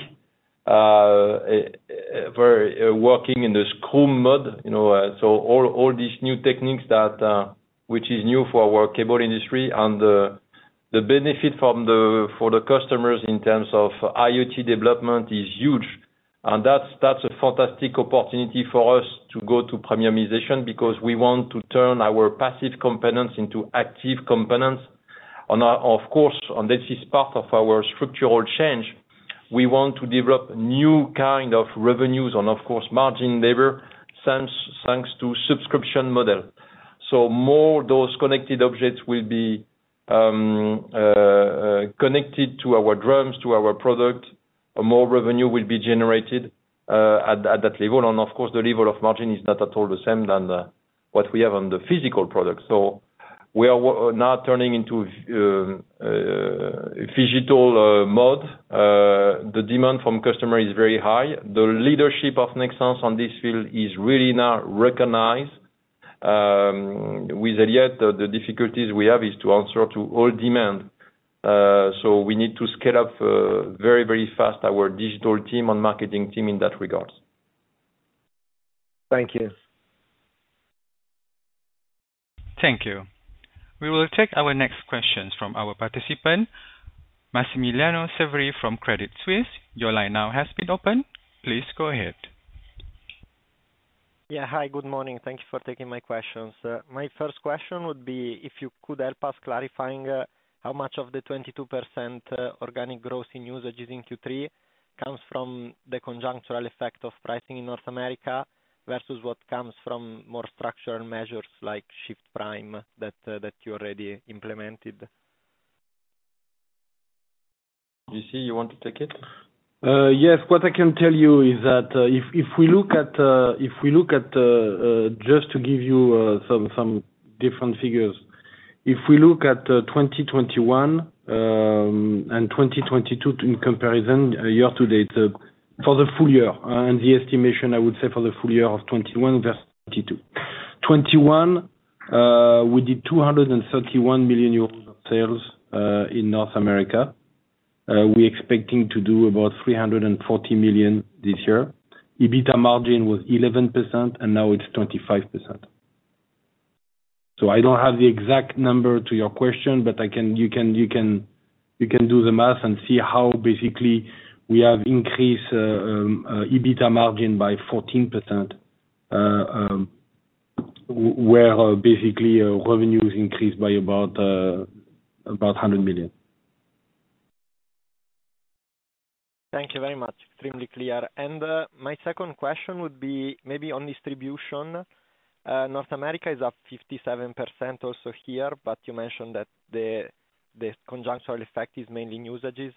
Very working in this cool mode, you know. All these new techniques that which is new for our cable industry and the benefit for the customers in terms of IoT development is huge. That's a fantastic opportunity for us to go to premiumization because we want to turn our passive components into active components. Of course, this is part of our structural change, we want to develop new kind of revenues and of course, margin lever, thanks to subscription model. More of those connected objects will be connected to our drums, to our product, and more revenue will be generated at that level. Of course, the level of margin is not at all the same than what we have on the physical product. We are now turning into phygital mode. The demand from customer is very high. The leadership of Nexans on this field is really now recognized. With Elyette, the difficulties we have is to answer to all demand. We need to scale up very, very fast our digital team and marketing team in that regards. Thank you. Thank you. We will take our next questions from our participant, Massimiliano Severi from Credit Suisse. Your line now has been opened. Please go ahead. Yeah. Hi, good morning. Thank you for taking my questions. My first question would be if you could help us clarifying how much of the 22% organic growth in usages in Q3 comes from the conjunctural effect of pricing in North America versus what comes from more structural measures like SHIFT Prime that you already implemented. JC, you want to take it? Yes. What I can tell you is that if we look at just to give you some different figures. If we look at 2021 and 2022 in comparison year to date, for the full year, and the estimation, I would say for the full year of 2021 versus 2022. 2021, we did 231 million euros of sales in North America. We're expecting to do about 340 million this year. EBITA margin was 11%, and now it's 25%. I don't have the exact number to your question, but you can do the math and see how basically we have increased EBITDA margin by 14%, where basically revenue is increased by about 100 million. Thank you very much. Extremely clear. My second question would be maybe on distribution. North America is up 57% also here, but you mentioned that the conjunctural effect is mainly usages.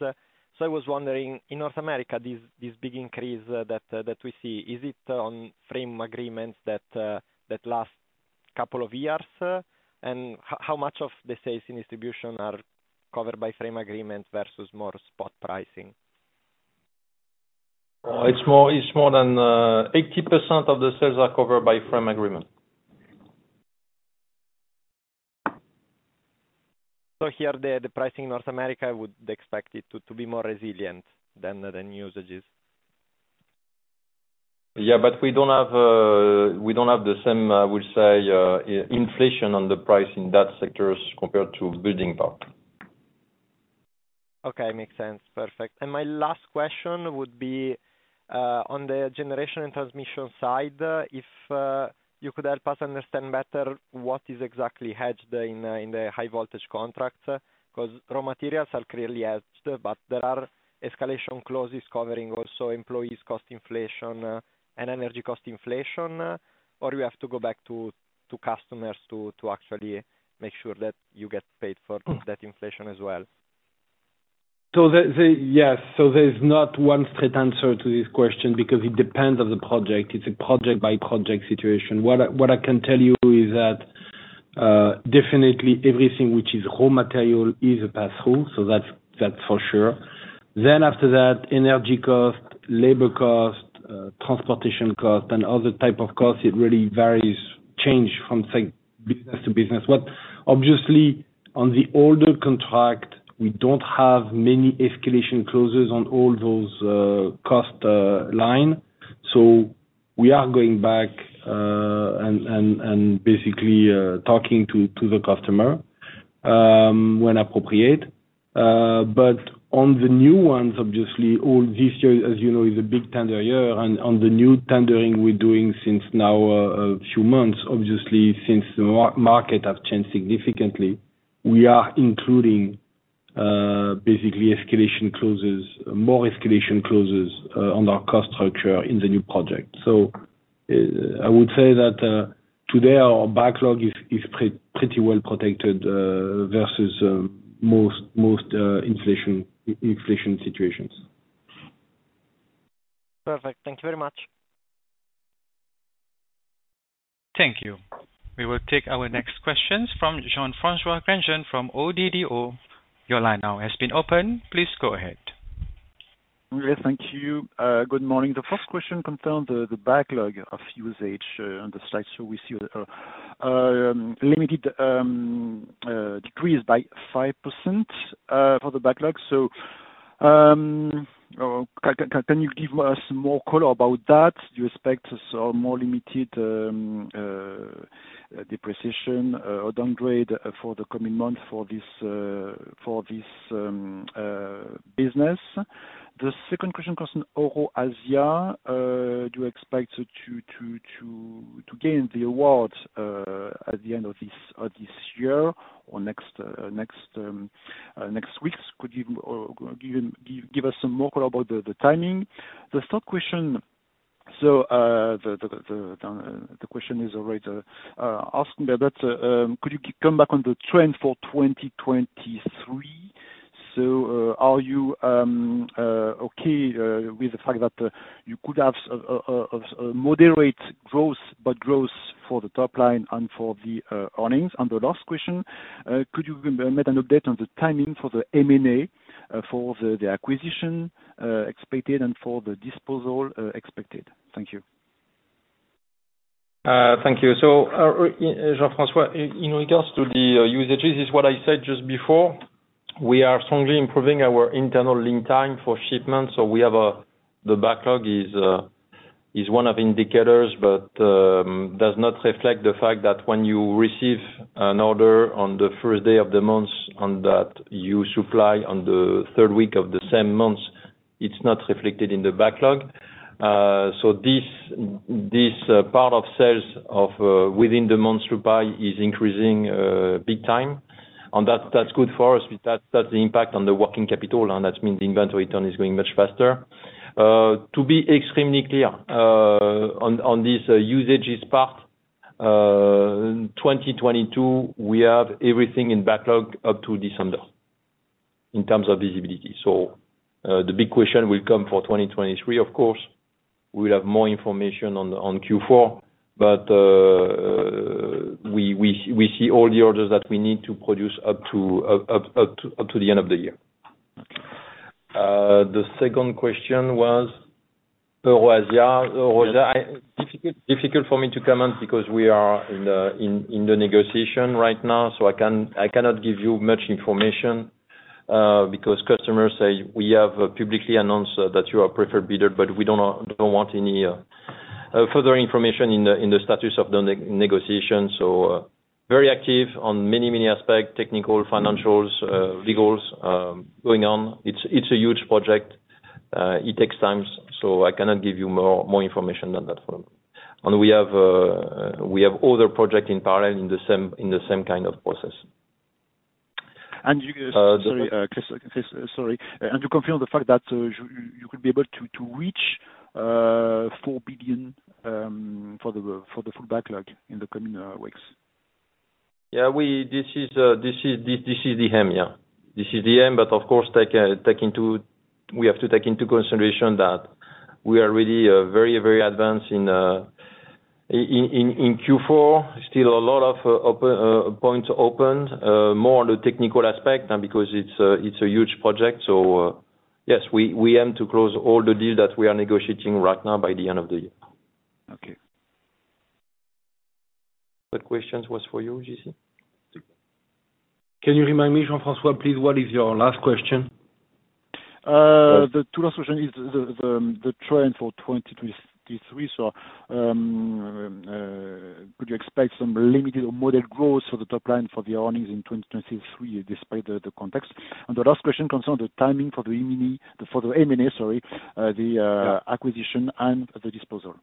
I was wondering, in North America, this big increase that we see, is it on frame agreements that last couple of years? And how much of the sales in distribution are covered by frame agreements versus more spot pricing? It's more than 80% of the sales are covered by frame agreement. Here, the pricing in North America, I would expect it to be more resilient than usages. We don't have the same inflation on the price in those sectors compared to building part. Okay, makes sense. Perfect. My last question would be on the generation and transmission side, if you could help us understand better what is exactly hedged in the high voltage contracts, 'cause raw materials are clearly hedged, but there are escalation clauses covering also employees' cost inflation, and energy cost inflation, or you have to go back to customers to actually make sure that you get paid for that inflation as well. There's not one straight answer to this question because it depends on the project. It's a project-by-project situation. What I can tell you is that definitely everything which is raw material is a pass-through, so that's for sure. After that, energy cost, labor cost, transportation cost, and other types of costs, it really varies, changes from, say, business to business. Obviously on the older contract, we don't have many escalation clauses on all those cost lines. We are going back and basically talking to the customer when appropriate. On the new ones, obviously all this year, as you know, is a big tender year. On the new tendering we're doing since now a few months, obviously since the market has changed significantly, we are including basically escalation clauses, more escalation clauses on our cost structure in the new project. I would say that today our backlog is pretty well protected versus most inflation situations. Perfect. Thank you very much. Thank you. We will take our next questions from Jean-François Granjon from ODDO. Your line now has been opened. Please go ahead. Yes, thank you. Good morning. The first question concerns the backlog of usage on the slide. We see limited decrease by 5% for the backlog. Can you give us more color about that? Do you expect so more limited depreciation or downgrade for the coming month for this business? The second question concerns EuroAsia. Do you expect to gain the award at the end of this year or next weeks? Could you give us some more color about the timing? The third question, the question is already asked, but could you come back on the trend for 2023? Are you okay with the fact that you could have a moderate growth, but growth for the top line and for the earnings? The last question, could you give me an update on the timing for the M&A, for the acquisition expected and for the disposal expected? Thank you. Thank you. Jean-François, in regards to the usages, is what I said just before, we are strongly improving our internal lead time for shipments, so we have a. The backlog is one of indicators, but does not reflect the fact that when you receive an order on the first day of the month and that you supply on the third week of the same month, it's not reflected in the backlog. So this part of sales within the month supply is increasing big time. That's good for us. With that's the impact on the working capital, and that means the inventory turn is going much faster. To be extremely clear, on this usages part, 2022, we have everything in backlog up to December in terms of visibility. The big question will come for 2023, of course. We'll have more information on Q4. We see all the orders that we need to produce up to the end of the year. The second question was EuroAsia. EuroAsia, difficult for me to comment because we are in the negotiation right now. I can't, I cannot give you much information because customers say we have publicly announced that you are preferred bidder, but we don't want any further information in the status of the negotiation. Very active on many aspects, technical, financials, legals, going on. It's a huge project. It takes time, I cannot give you more information than that for now. We have other project in parallel in the same kind of process. And you, uh- Uh, the- Sorry, Chris, sorry. You confirm the fact that you will be able to reach 4 billion for the full backlog in the coming weeks? Yeah. This is the aim, yeah. This is the aim, but of course, we have to take into consideration that we are really very advanced in Q4. Still a lot of open points, more on the technical aspect, and because it's a huge project. Yes, we aim to close all the deals that we are negotiating right now by the end of the year. Okay. That question was for you, JC. Can you remind me, Jean-François, please, what is your last question? The two last question is the trend for 2023. Could you expect some limited or moderate growth for the top line for the earnings in 2023 despite the context? The last question concern the timing for the M&A, the acquisition and the disposal.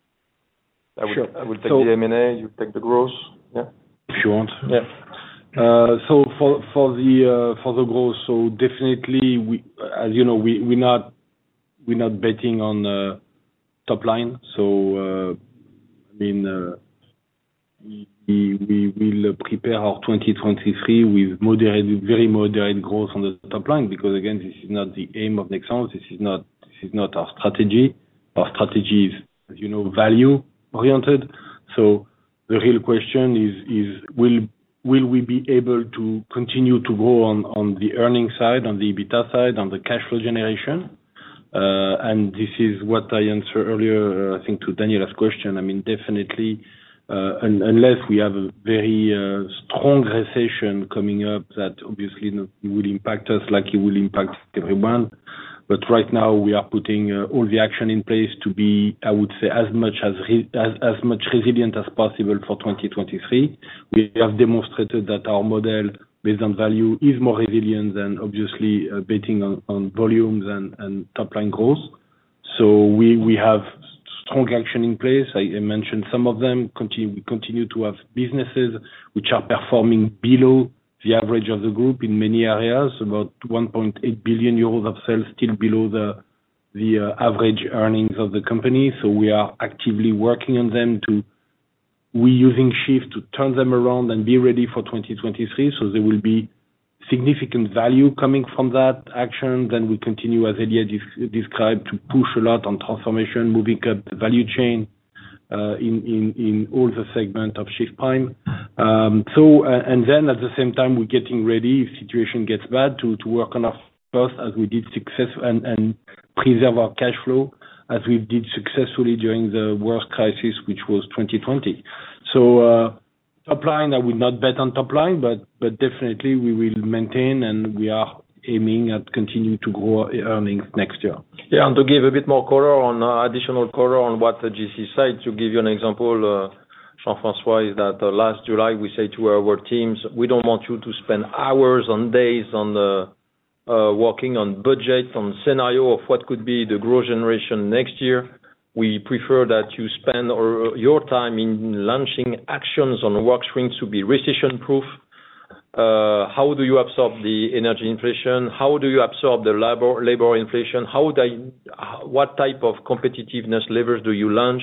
I will take the M&A, you take the growth. Yeah. If you want. Yeah. For the growth, definitely we, as you know, we're not betting on top line. We will prepare our 2023 with moderate, very moderate growth on the top line. Because again, this is not the aim of Nexans. This is not our strategy. Our strategy is, as you know, value oriented. The real question is, will we be able to continue to grow on the earnings side, on the EBITDA side, on the cash flow generation? This is what I answered earlier, I think to Daniela's question. Definitely, unless we have a very strong recession coming up, that obviously will impact us, like it will impact everyone. Right now we are putting all the action in place to be, I would say, as resilient as possible for 2023. We have demonstrated that our model based on value is more resilient than obviously betting on volumes and top line growth. We have strong action in place. I mentioned some of them. We continue to have businesses which are performing below the average of the group in many areas, about 1.8 billion euros of sales still below the average earnings of the company. We are actively working on them to reusing SHIFT to turn them around and be ready for 2023. There will be significant value coming from that action. We continue, as Elyette described, to push a lot on transformation, moving up the value chain, in all the segment of SHIFT Prime. At the same time, we're getting ready if situation gets bad to work on our costs as we did successfully and preserve our cash flow as we did successfully during the worst crisis, which was 2020. Top line, I will not bet on top line, but definitely we will maintain, and we are aiming at continuing to grow earnings next year. Yeah. To give a bit more color on what JC said, to give you an example, Jean-François, last July we said to our teams, "We don't want you to spend hours or days on working on budget, on scenario of what could be the growth generation next year. We prefer that you spend your time in launching actions on work streams to be recession proof. How do you absorb the energy inflation? How do you absorb the labor inflation? What type of competitiveness levers do you launch?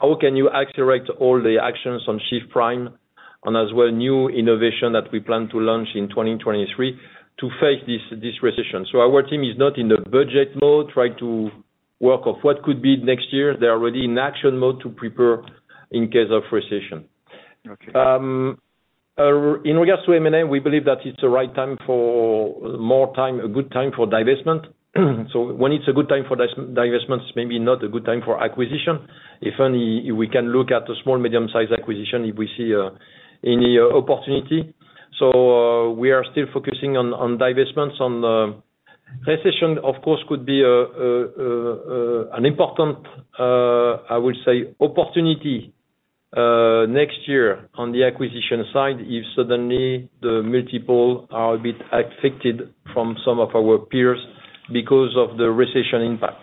How can you accelerate all the actions on SHIFT Prime and as well, new innovation that we plan to launch in 2023 to face this recession." Our team is not in the budget mode, trying to work out what could be next year. They're already in action mode to prepare in case of recession. Okay. In regards to M&A, we believe that it's the right time, a good time for divestment. When it's a good time for divestments, maybe not a good time for acquisition. If any, we can look at the small medium sized acquisition if we see any opportunity. We are still focusing on divestments. Recession, of course, could be an important, I would say, opportunity next year on the acquisition side, if suddenly the multiples are a bit affected from some of our peers because of the recession impact.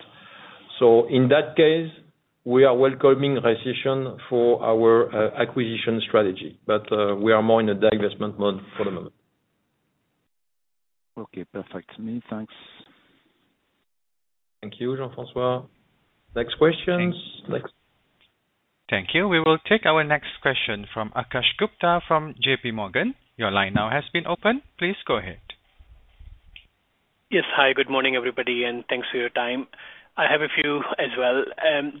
In that case, we are welcoming recession for our acquisition strategy. We are more in a divestment mode for the moment. Okay, perfect. Many thanks. Thank you, Jean-François. Next questions. Thank you. We will take our next question from Akash Gupta from JP Morgan. Your line now has been opened. Please go ahead. Yes. Hi, good morning, everybody, and thanks for your time. I have a few as well.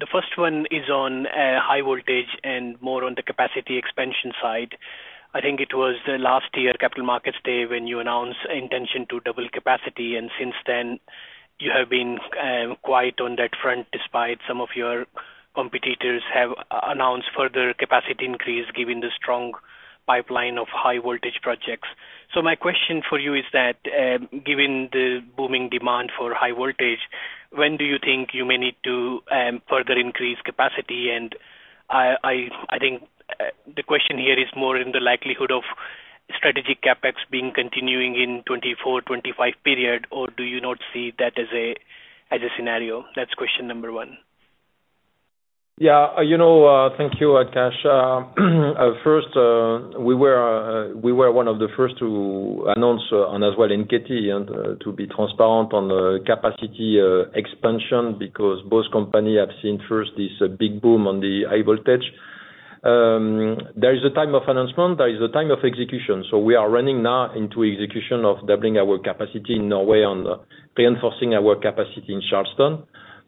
The first one is on high voltage and more on the capacity expansion side. I think it was the last year Capital Markets Day when you announced intention to double capacity, and since then you have been quiet on that front, despite some of your competitors have announced further capacity increase given the strong pipeline of high voltage projects. So my question for you is that, given the booming demand for high voltage, when do you think you may need to further increase capacity? And I think the question here is more in the likelihood of strategic CapEx being continuing in 2024, 2025 period, or do you not see that as a scenario? That's question number one. Yeah. You know, thank you, Akash. First, we were one of the first to announce and as well in NKT, and to be transparent on the capacity expansion, because both company have seen first this big boom on the high voltage. There is a time of announcement, there is a time of execution. We are running now into execution of doubling our capacity in Norway and reinforcing our capacity in Charleston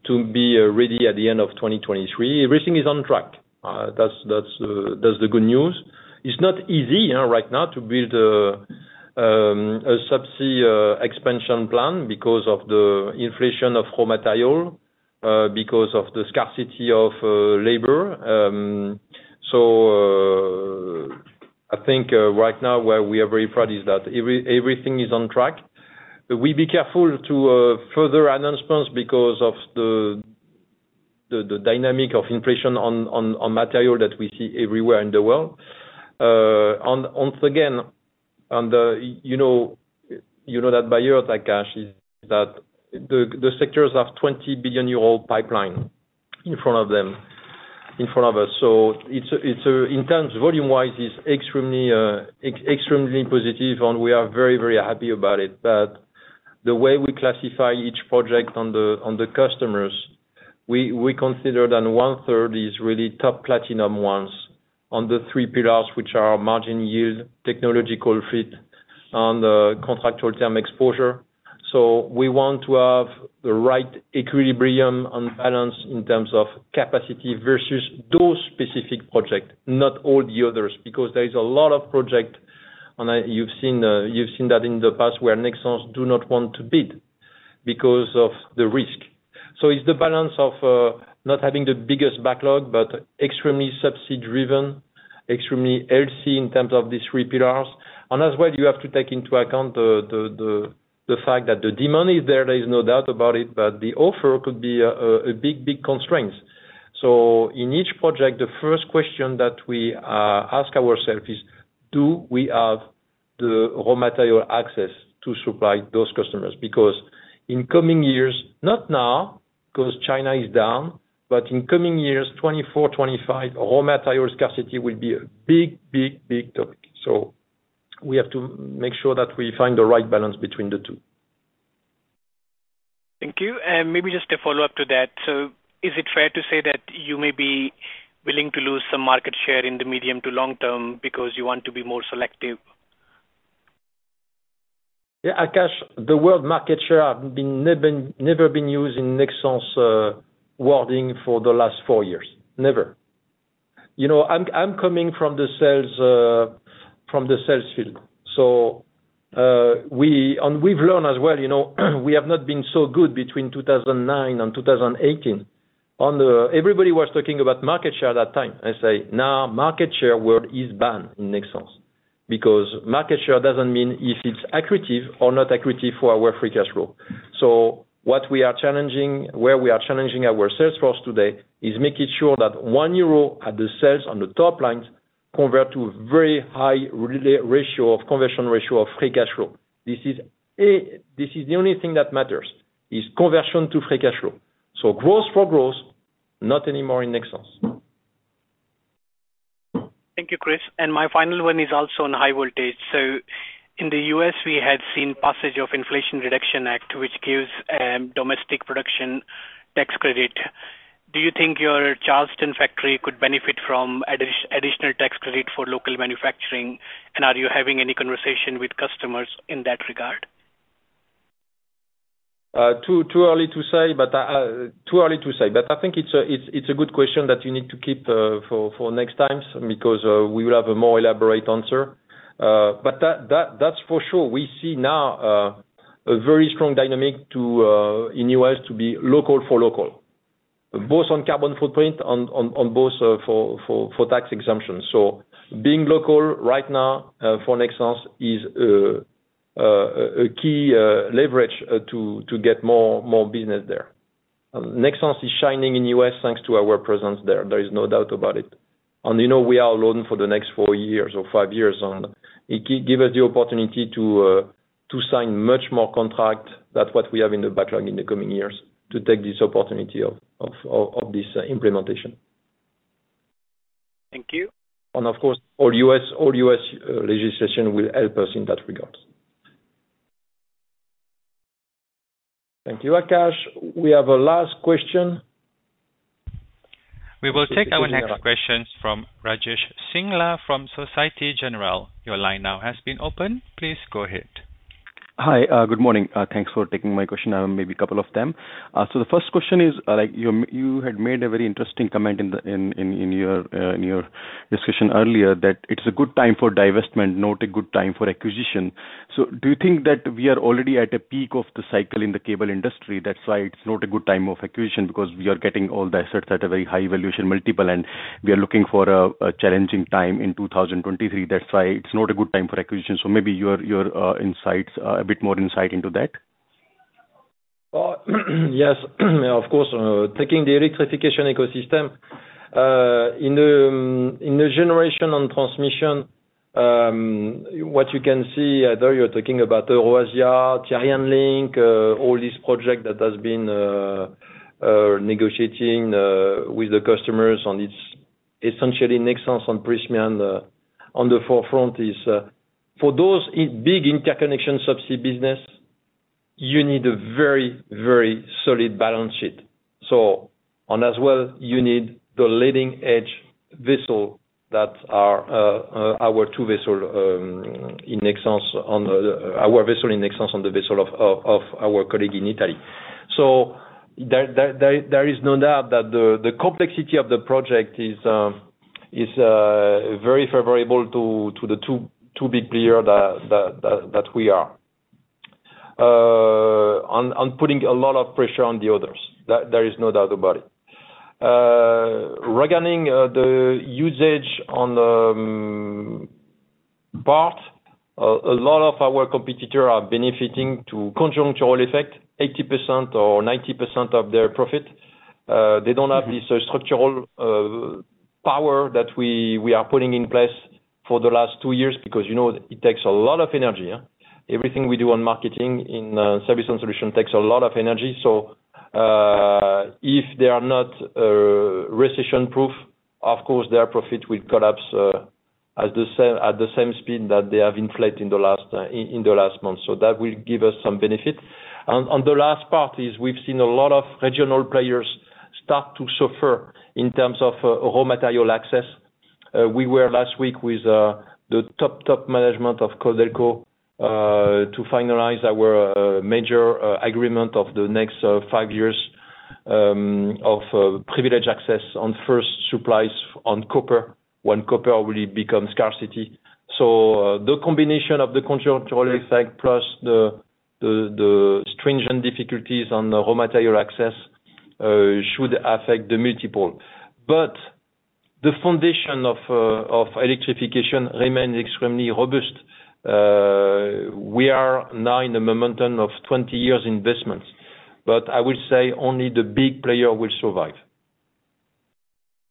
to be ready at the end of 2023. Everything is on track. That's the good news. It's not easy, you know, right now to build a subsea expansion plan because of the inflation of raw material. Because of the scarcity of labor. I think right now where we are very proud is that everything is on track. We are careful to further announcements because of the dynamic of inflation on material that we see everywhere in the world. Once again, you know that by year, Akash, is that the sectors have 20 billion euro pipeline in front of them, in front of us. So it's a in terms volume-wise, it's extremely positive, and we are very, very happy about it. But the way we classify each project on the customers, we consider that one-third is really top platinum ones on the three pillars, which are margin yield, technological fit, and contractual term exposure. We want to have the right equilibrium and balance in terms of capacity versus those specific project, not all the others, because there is a lot of project, and you've seen that in the past where Nexans do not want to bid because of the risk. It's the balance of not having the biggest backlog, but extremely subsidy-driven, extremely healthy in terms of these three pillars. As well, you have to take into account the fact that the demand is there is no doubt about it, but the offer could be a big constraint. In each project, the first question that we ask ourself is do we have the raw material access to supply those customers? Because in coming years, not now, 'cause China is down, but in coming years, 2024, 2025, raw material scarcity will be a big, big, big topic. We have to make sure that we find the right balance between the two. Thank you. Maybe just a follow-up to that. Is it fair to say that you may be willing to lose some market share in the medium to long term because you want to be more selective? Yeah, Akash Gupta, the word market share has never been used in Nexans' wording for the last four years. Never. You know, I'm coming from the sales field. We've learned as well, you know, we have not been so good between 2009 and 2018. Everybody was talking about market share that time. I say, "Now market share word is banned in Nexans." Because market share doesn't mean if it's accretive or not accretive for our free cash flow. What we are challenging, where we are challenging our sales force today is making sure that 1 euro at the sales on the top line convert to a very high re-ratio of conversion ratio of free cash flow. This is it. This is the only thing that matters, is conversion to free cash flow. Growth for growth, not anymore in Nexans. Thank you, Chris. My final one is also on high voltage. In the US, we had seen passage of Inflation Reduction Act, which gives domestic production tax credit. Do you think your Charleston factory could benefit from additional tax credit for local manufacturing? Are you having any conversation with customers in that regard? Too early to say. I think it's a good question that you need to keep for next time because we will have a more elaborate answer. That's for sure. We see now a very strong dynamic in U.S. to be local for local, both on carbon footprint and both for tax exemptions. Being local right now for Nexans is a key leverage to get more business there. Nexans is shining in U.S. thanks to our presence there. There is no doubt about it. You know, we are alone for the next 4 years or 5 years, and it gives us the opportunity to sign much more contracts than what we have in the backlog in the coming years to take this opportunity of this implementation. Thank you. Of course, all U.S. legislation will help us in that regard. Thank you, Akash. We have a last question. We will take our next questions from Rajesh Singla from Société Générale. Your line now has been opened. Please go ahead. Hi. Good morning. Thanks for taking my question. Maybe a couple of them. The first question is, like, you had made a very interesting comment in your discussion earlier that it's a good time for divestment, not a good time for acquisition. Do you think that we are already at a peak of the cycle in the cable industry, that's why it's not a good time for acquisition because we are getting all the assets at a very high valuation multiple, and we are looking for a challenging time in 2023, that's why it's not a good time for acquisition? Maybe your insights, a bit more insight into that. Well, yes, of course. Taking the electrification ecosystem in the generation and transmission, what you can see there, you're talking about EuroAsia, TenneT link, all these projects that have been negotiating with the customers on this. Essentially, Nexans and Prysmian on the forefront is for those big interconnection subsea business, you need a very, very solid balance sheet. And as well, you need the leading-edge vessels that are our two vessels in Nexans and the vessel of our colleague in Italy. There is no doubt that the complexity of the project is very favorable to the two big players that we are and putting a lot of pressure on the others. There is no doubt about it. Regarding the usage on the part, a lot of our competitors are benefiting from the conjunctural effect 80% or 90% of their profit. They don't have this structural power that we are putting in place for the last two years because, you know, it takes a lot of energy. Everything we do on marketing in service and solution takes a lot of energy. If they are not recession-proof, of course, their profit will collapse at the same speed that they have inflated in the last month. That will give us some benefit. On the last part is we've seen a lot of regional players start to suffer in terms of raw material access. We were last week with the top management of Codelco to finalize our major agreement of the next 5 years of privileged access on first supplies on copper, when copper really becomes scarcity. The combination of the conjuncture effect plus the stringent difficulties on the raw material access should affect the multiple. The foundation of electrification remains extremely robust. We are now in the momentum of 20 years investments. I will say only the big player will survive.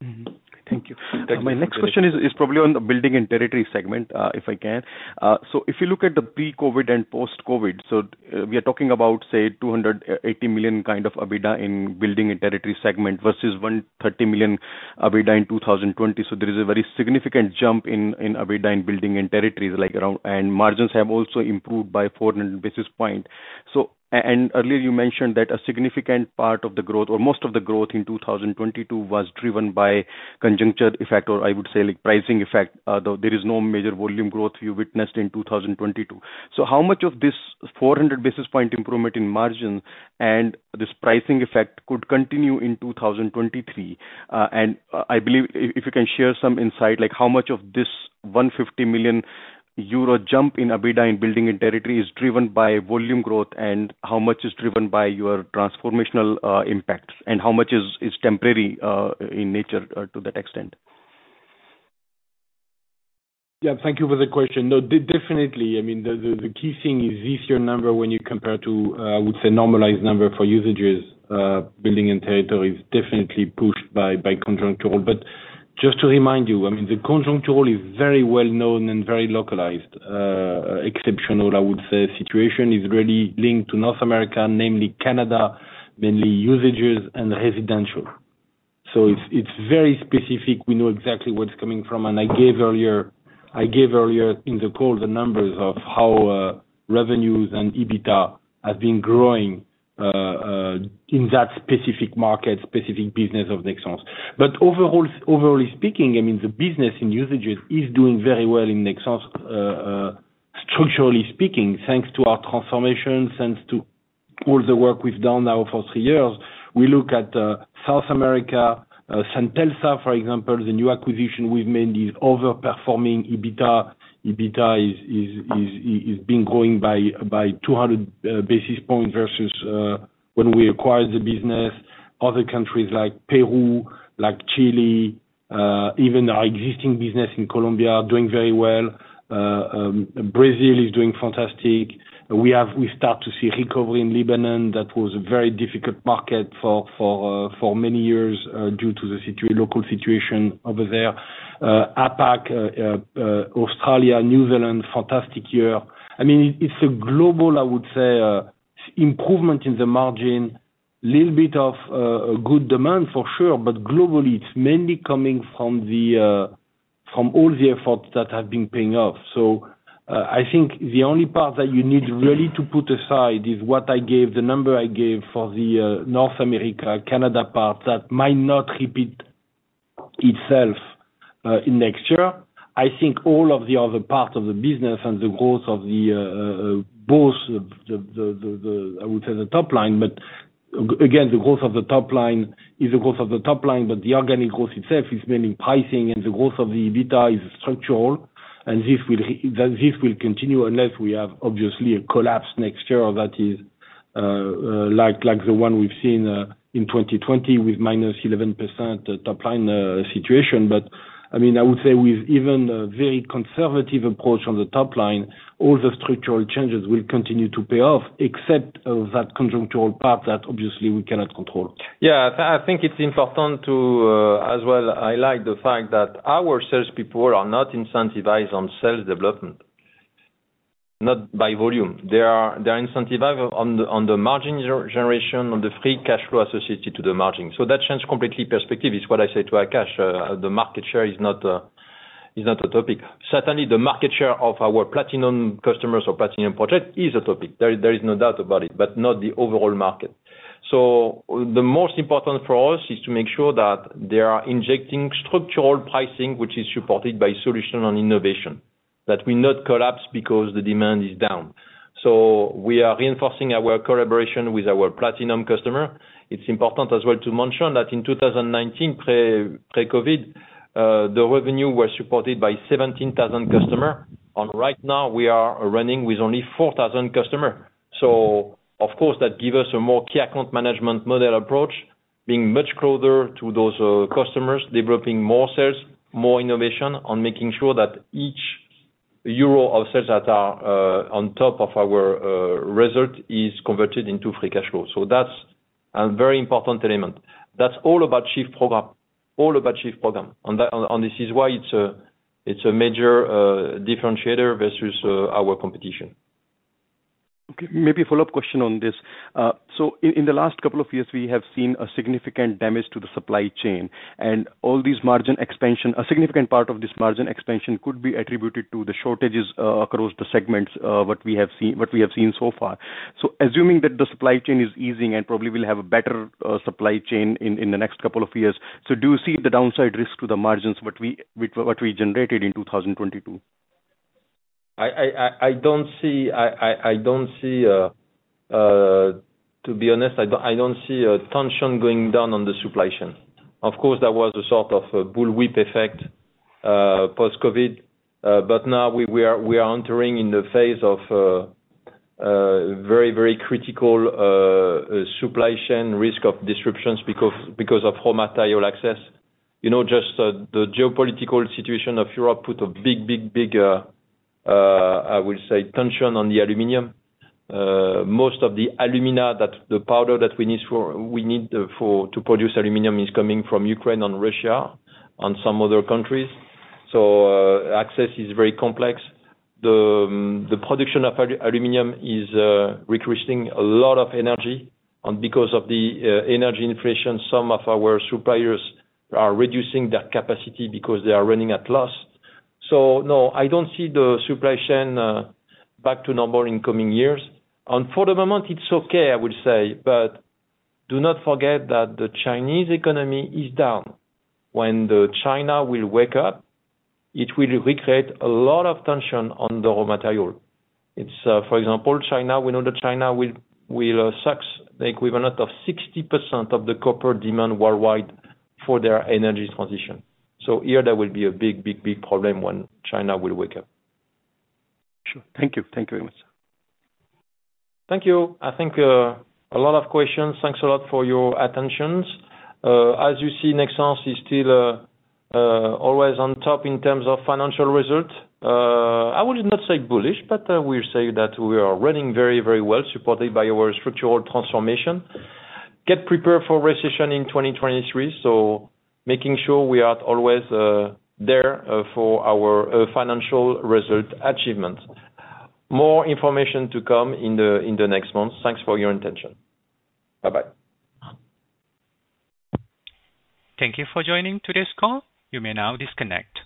Mm-hmm. Thank you. My next question is probably on the Building and Territories segment, if I can. If you look at the pre-COVID and post-COVID, we are talking about, say, 280 million kind of EBITDA in Building and Territories segment versus 130 million EBITDA in 2020. There is a very significant jump in EBITDA in Building and Territories, like, around. Margins have also improved by 400 basis points. Earlier you mentioned that a significant part of the growth or most of the growth in 2022 was driven by conjunctural effect, or I would say, like, pricing effect, though there is no major volume growth you witnessed in 2022. How much of this 400 basis point improvement in margin and this pricing effect could continue in 2023? I believe if you can share some insight, like how much of this 150 million euro jump in EBITDA in Building and Territories is driven by volume growth and how much is driven by your transformational impact, and how much is temporary in nature, to that extent? Yeah. Thank you for the question. No, definitely, I mean, the key thing is this year number when you compare to, I would say normalized number for usage, building and tertiary is definitely pushed by conjuncture. Just to remind you, I mean, the conjuncture is very well known and very localized, exceptional, I would say. Situation is really linked to North America, namely Canada, mainly usage and residential. It's very specific. We know exactly where it's coming from. I gave earlier in the call the numbers of how revenues and EBITDA have been growing in that specific market, specific business of Nexans. Overall, broadly speaking, I mean the business in the U.S. is doing very well in Nexans, structurally speaking, thanks to our transformation, thanks to all the work we've done now for three years. We look at South America, Centelsa, for example, the new acquisition we've made is overperforming EBITDA. EBITDA has been growing by 200 basis points versus when we acquired the business. Other countries like Peru, like Chile, even our existing business in Colombia are doing very well. Brazil is doing fantastic. We start to see recovery in Lebanon. That was a very difficult market for many years due to the local situation over there. APAC, Australia, New Zealand, fantastic year. I mean, it's a global, I would say, improvement in the margin. Little bit of good demand for sure, but globally, it's mainly coming from all the efforts that have been paying off. I think the only part that you need really to put aside is what I gave, the number I gave for the North America, Canada part that might not repeat itself in next year. I think all of the other parts of the business and the growth of the top line, but again, the growth of the top line is the growth of the top line, but the organic growth itself is mainly pricing, and the growth of the EBITDA is structural. This will continue unless we have obviously a collapse next year that is, like, the one we've seen in 2020 with -11% top line situation. I mean, I would say with even a very conservative approach on the top line, all the structural changes will continue to pay off except, that conjunctural part that obviously we cannot control. Yeah. I think it's important to as well highlight the fact that our salespeople are not incentivized on sales development, not by volume. They are incentivized on the margin generation, on the free cash flow associated to the margin. That changes completely perspective. It's what I say to Akash. The market share is not a topic. Certainly, the market share of our platinum customers or platinum project is a topic. There is no doubt about it, but not the overall market. The most important for us is to make sure that they are injecting structural pricing, which is supported by solution and innovation, that will not collapse because the demand is down. We are reinforcing our collaboration with our platinum customer. It's important as well to mention that in 2019, pre-COVID, the revenue was supported by 17,000 customer. Right now we are running with only 4,000 customer. Of course, that give us a more key account management model approach. Being much closer to those customers, developing more sales, more innovation on making sure that each euro of sales that are on top of our result is converted into free cash flow. That's a very important element. That's all about SHIFT program. This is why it's a major differentiator versus our competition. Okay, maybe a follow-up question on this. In the last couple of years, we have seen a significant damage to the supply chain and all these margin expansion. A significant part of this margin expansion could be attributed to the shortages across the segments what we have seen so far. Assuming that the supply chain is easing and probably will have a better supply chain in the next couple of years, do you see the downside risk to the margins what we generated in 2022? To be honest, I don't see a tension going down on the supply chain. Of course, there was a sort of a bullwhip effect post-COVID. But now we are entering in the phase of very critical supply chain risk of disruptions because of raw material access. You know, just the geopolitical situation of Europe put a big tension on the aluminum. Most of the alumina, the powder that we need for to produce aluminum is coming from Ukraine and Russia and some other countries. So, access is very complex. The production of aluminum is requesting a lot of energy and because of the energy inflation, some of our suppliers are reducing their capacity because they are running at a loss. No, I don't see the supply chain back to normal in coming years. For the moment, it's okay, I would say, but do not forget that the Chinese economy is down. When China will wake up, it will recreate a lot of tension on the raw material. It's for example, China, we know that China will suck the equivalent of 60% of the copper demand worldwide for their energy transition. Here there will be a big problem when China will wake up. Sure. Thank you. Thank you very much. Thank you. I think a lot of questions. Thanks a lot for your attentions. As you see, Nexans is still always on top in terms of financial result. I would not say bullish, but we say that we are running very, very well, supported by our structural transformation. Get prepared for recession in 2023, so making sure we are always there for our financial result achievement. More information to come in the next month. Thanks for your attention. Bye-bye. Thank you for joining today's call. You may now disconnect.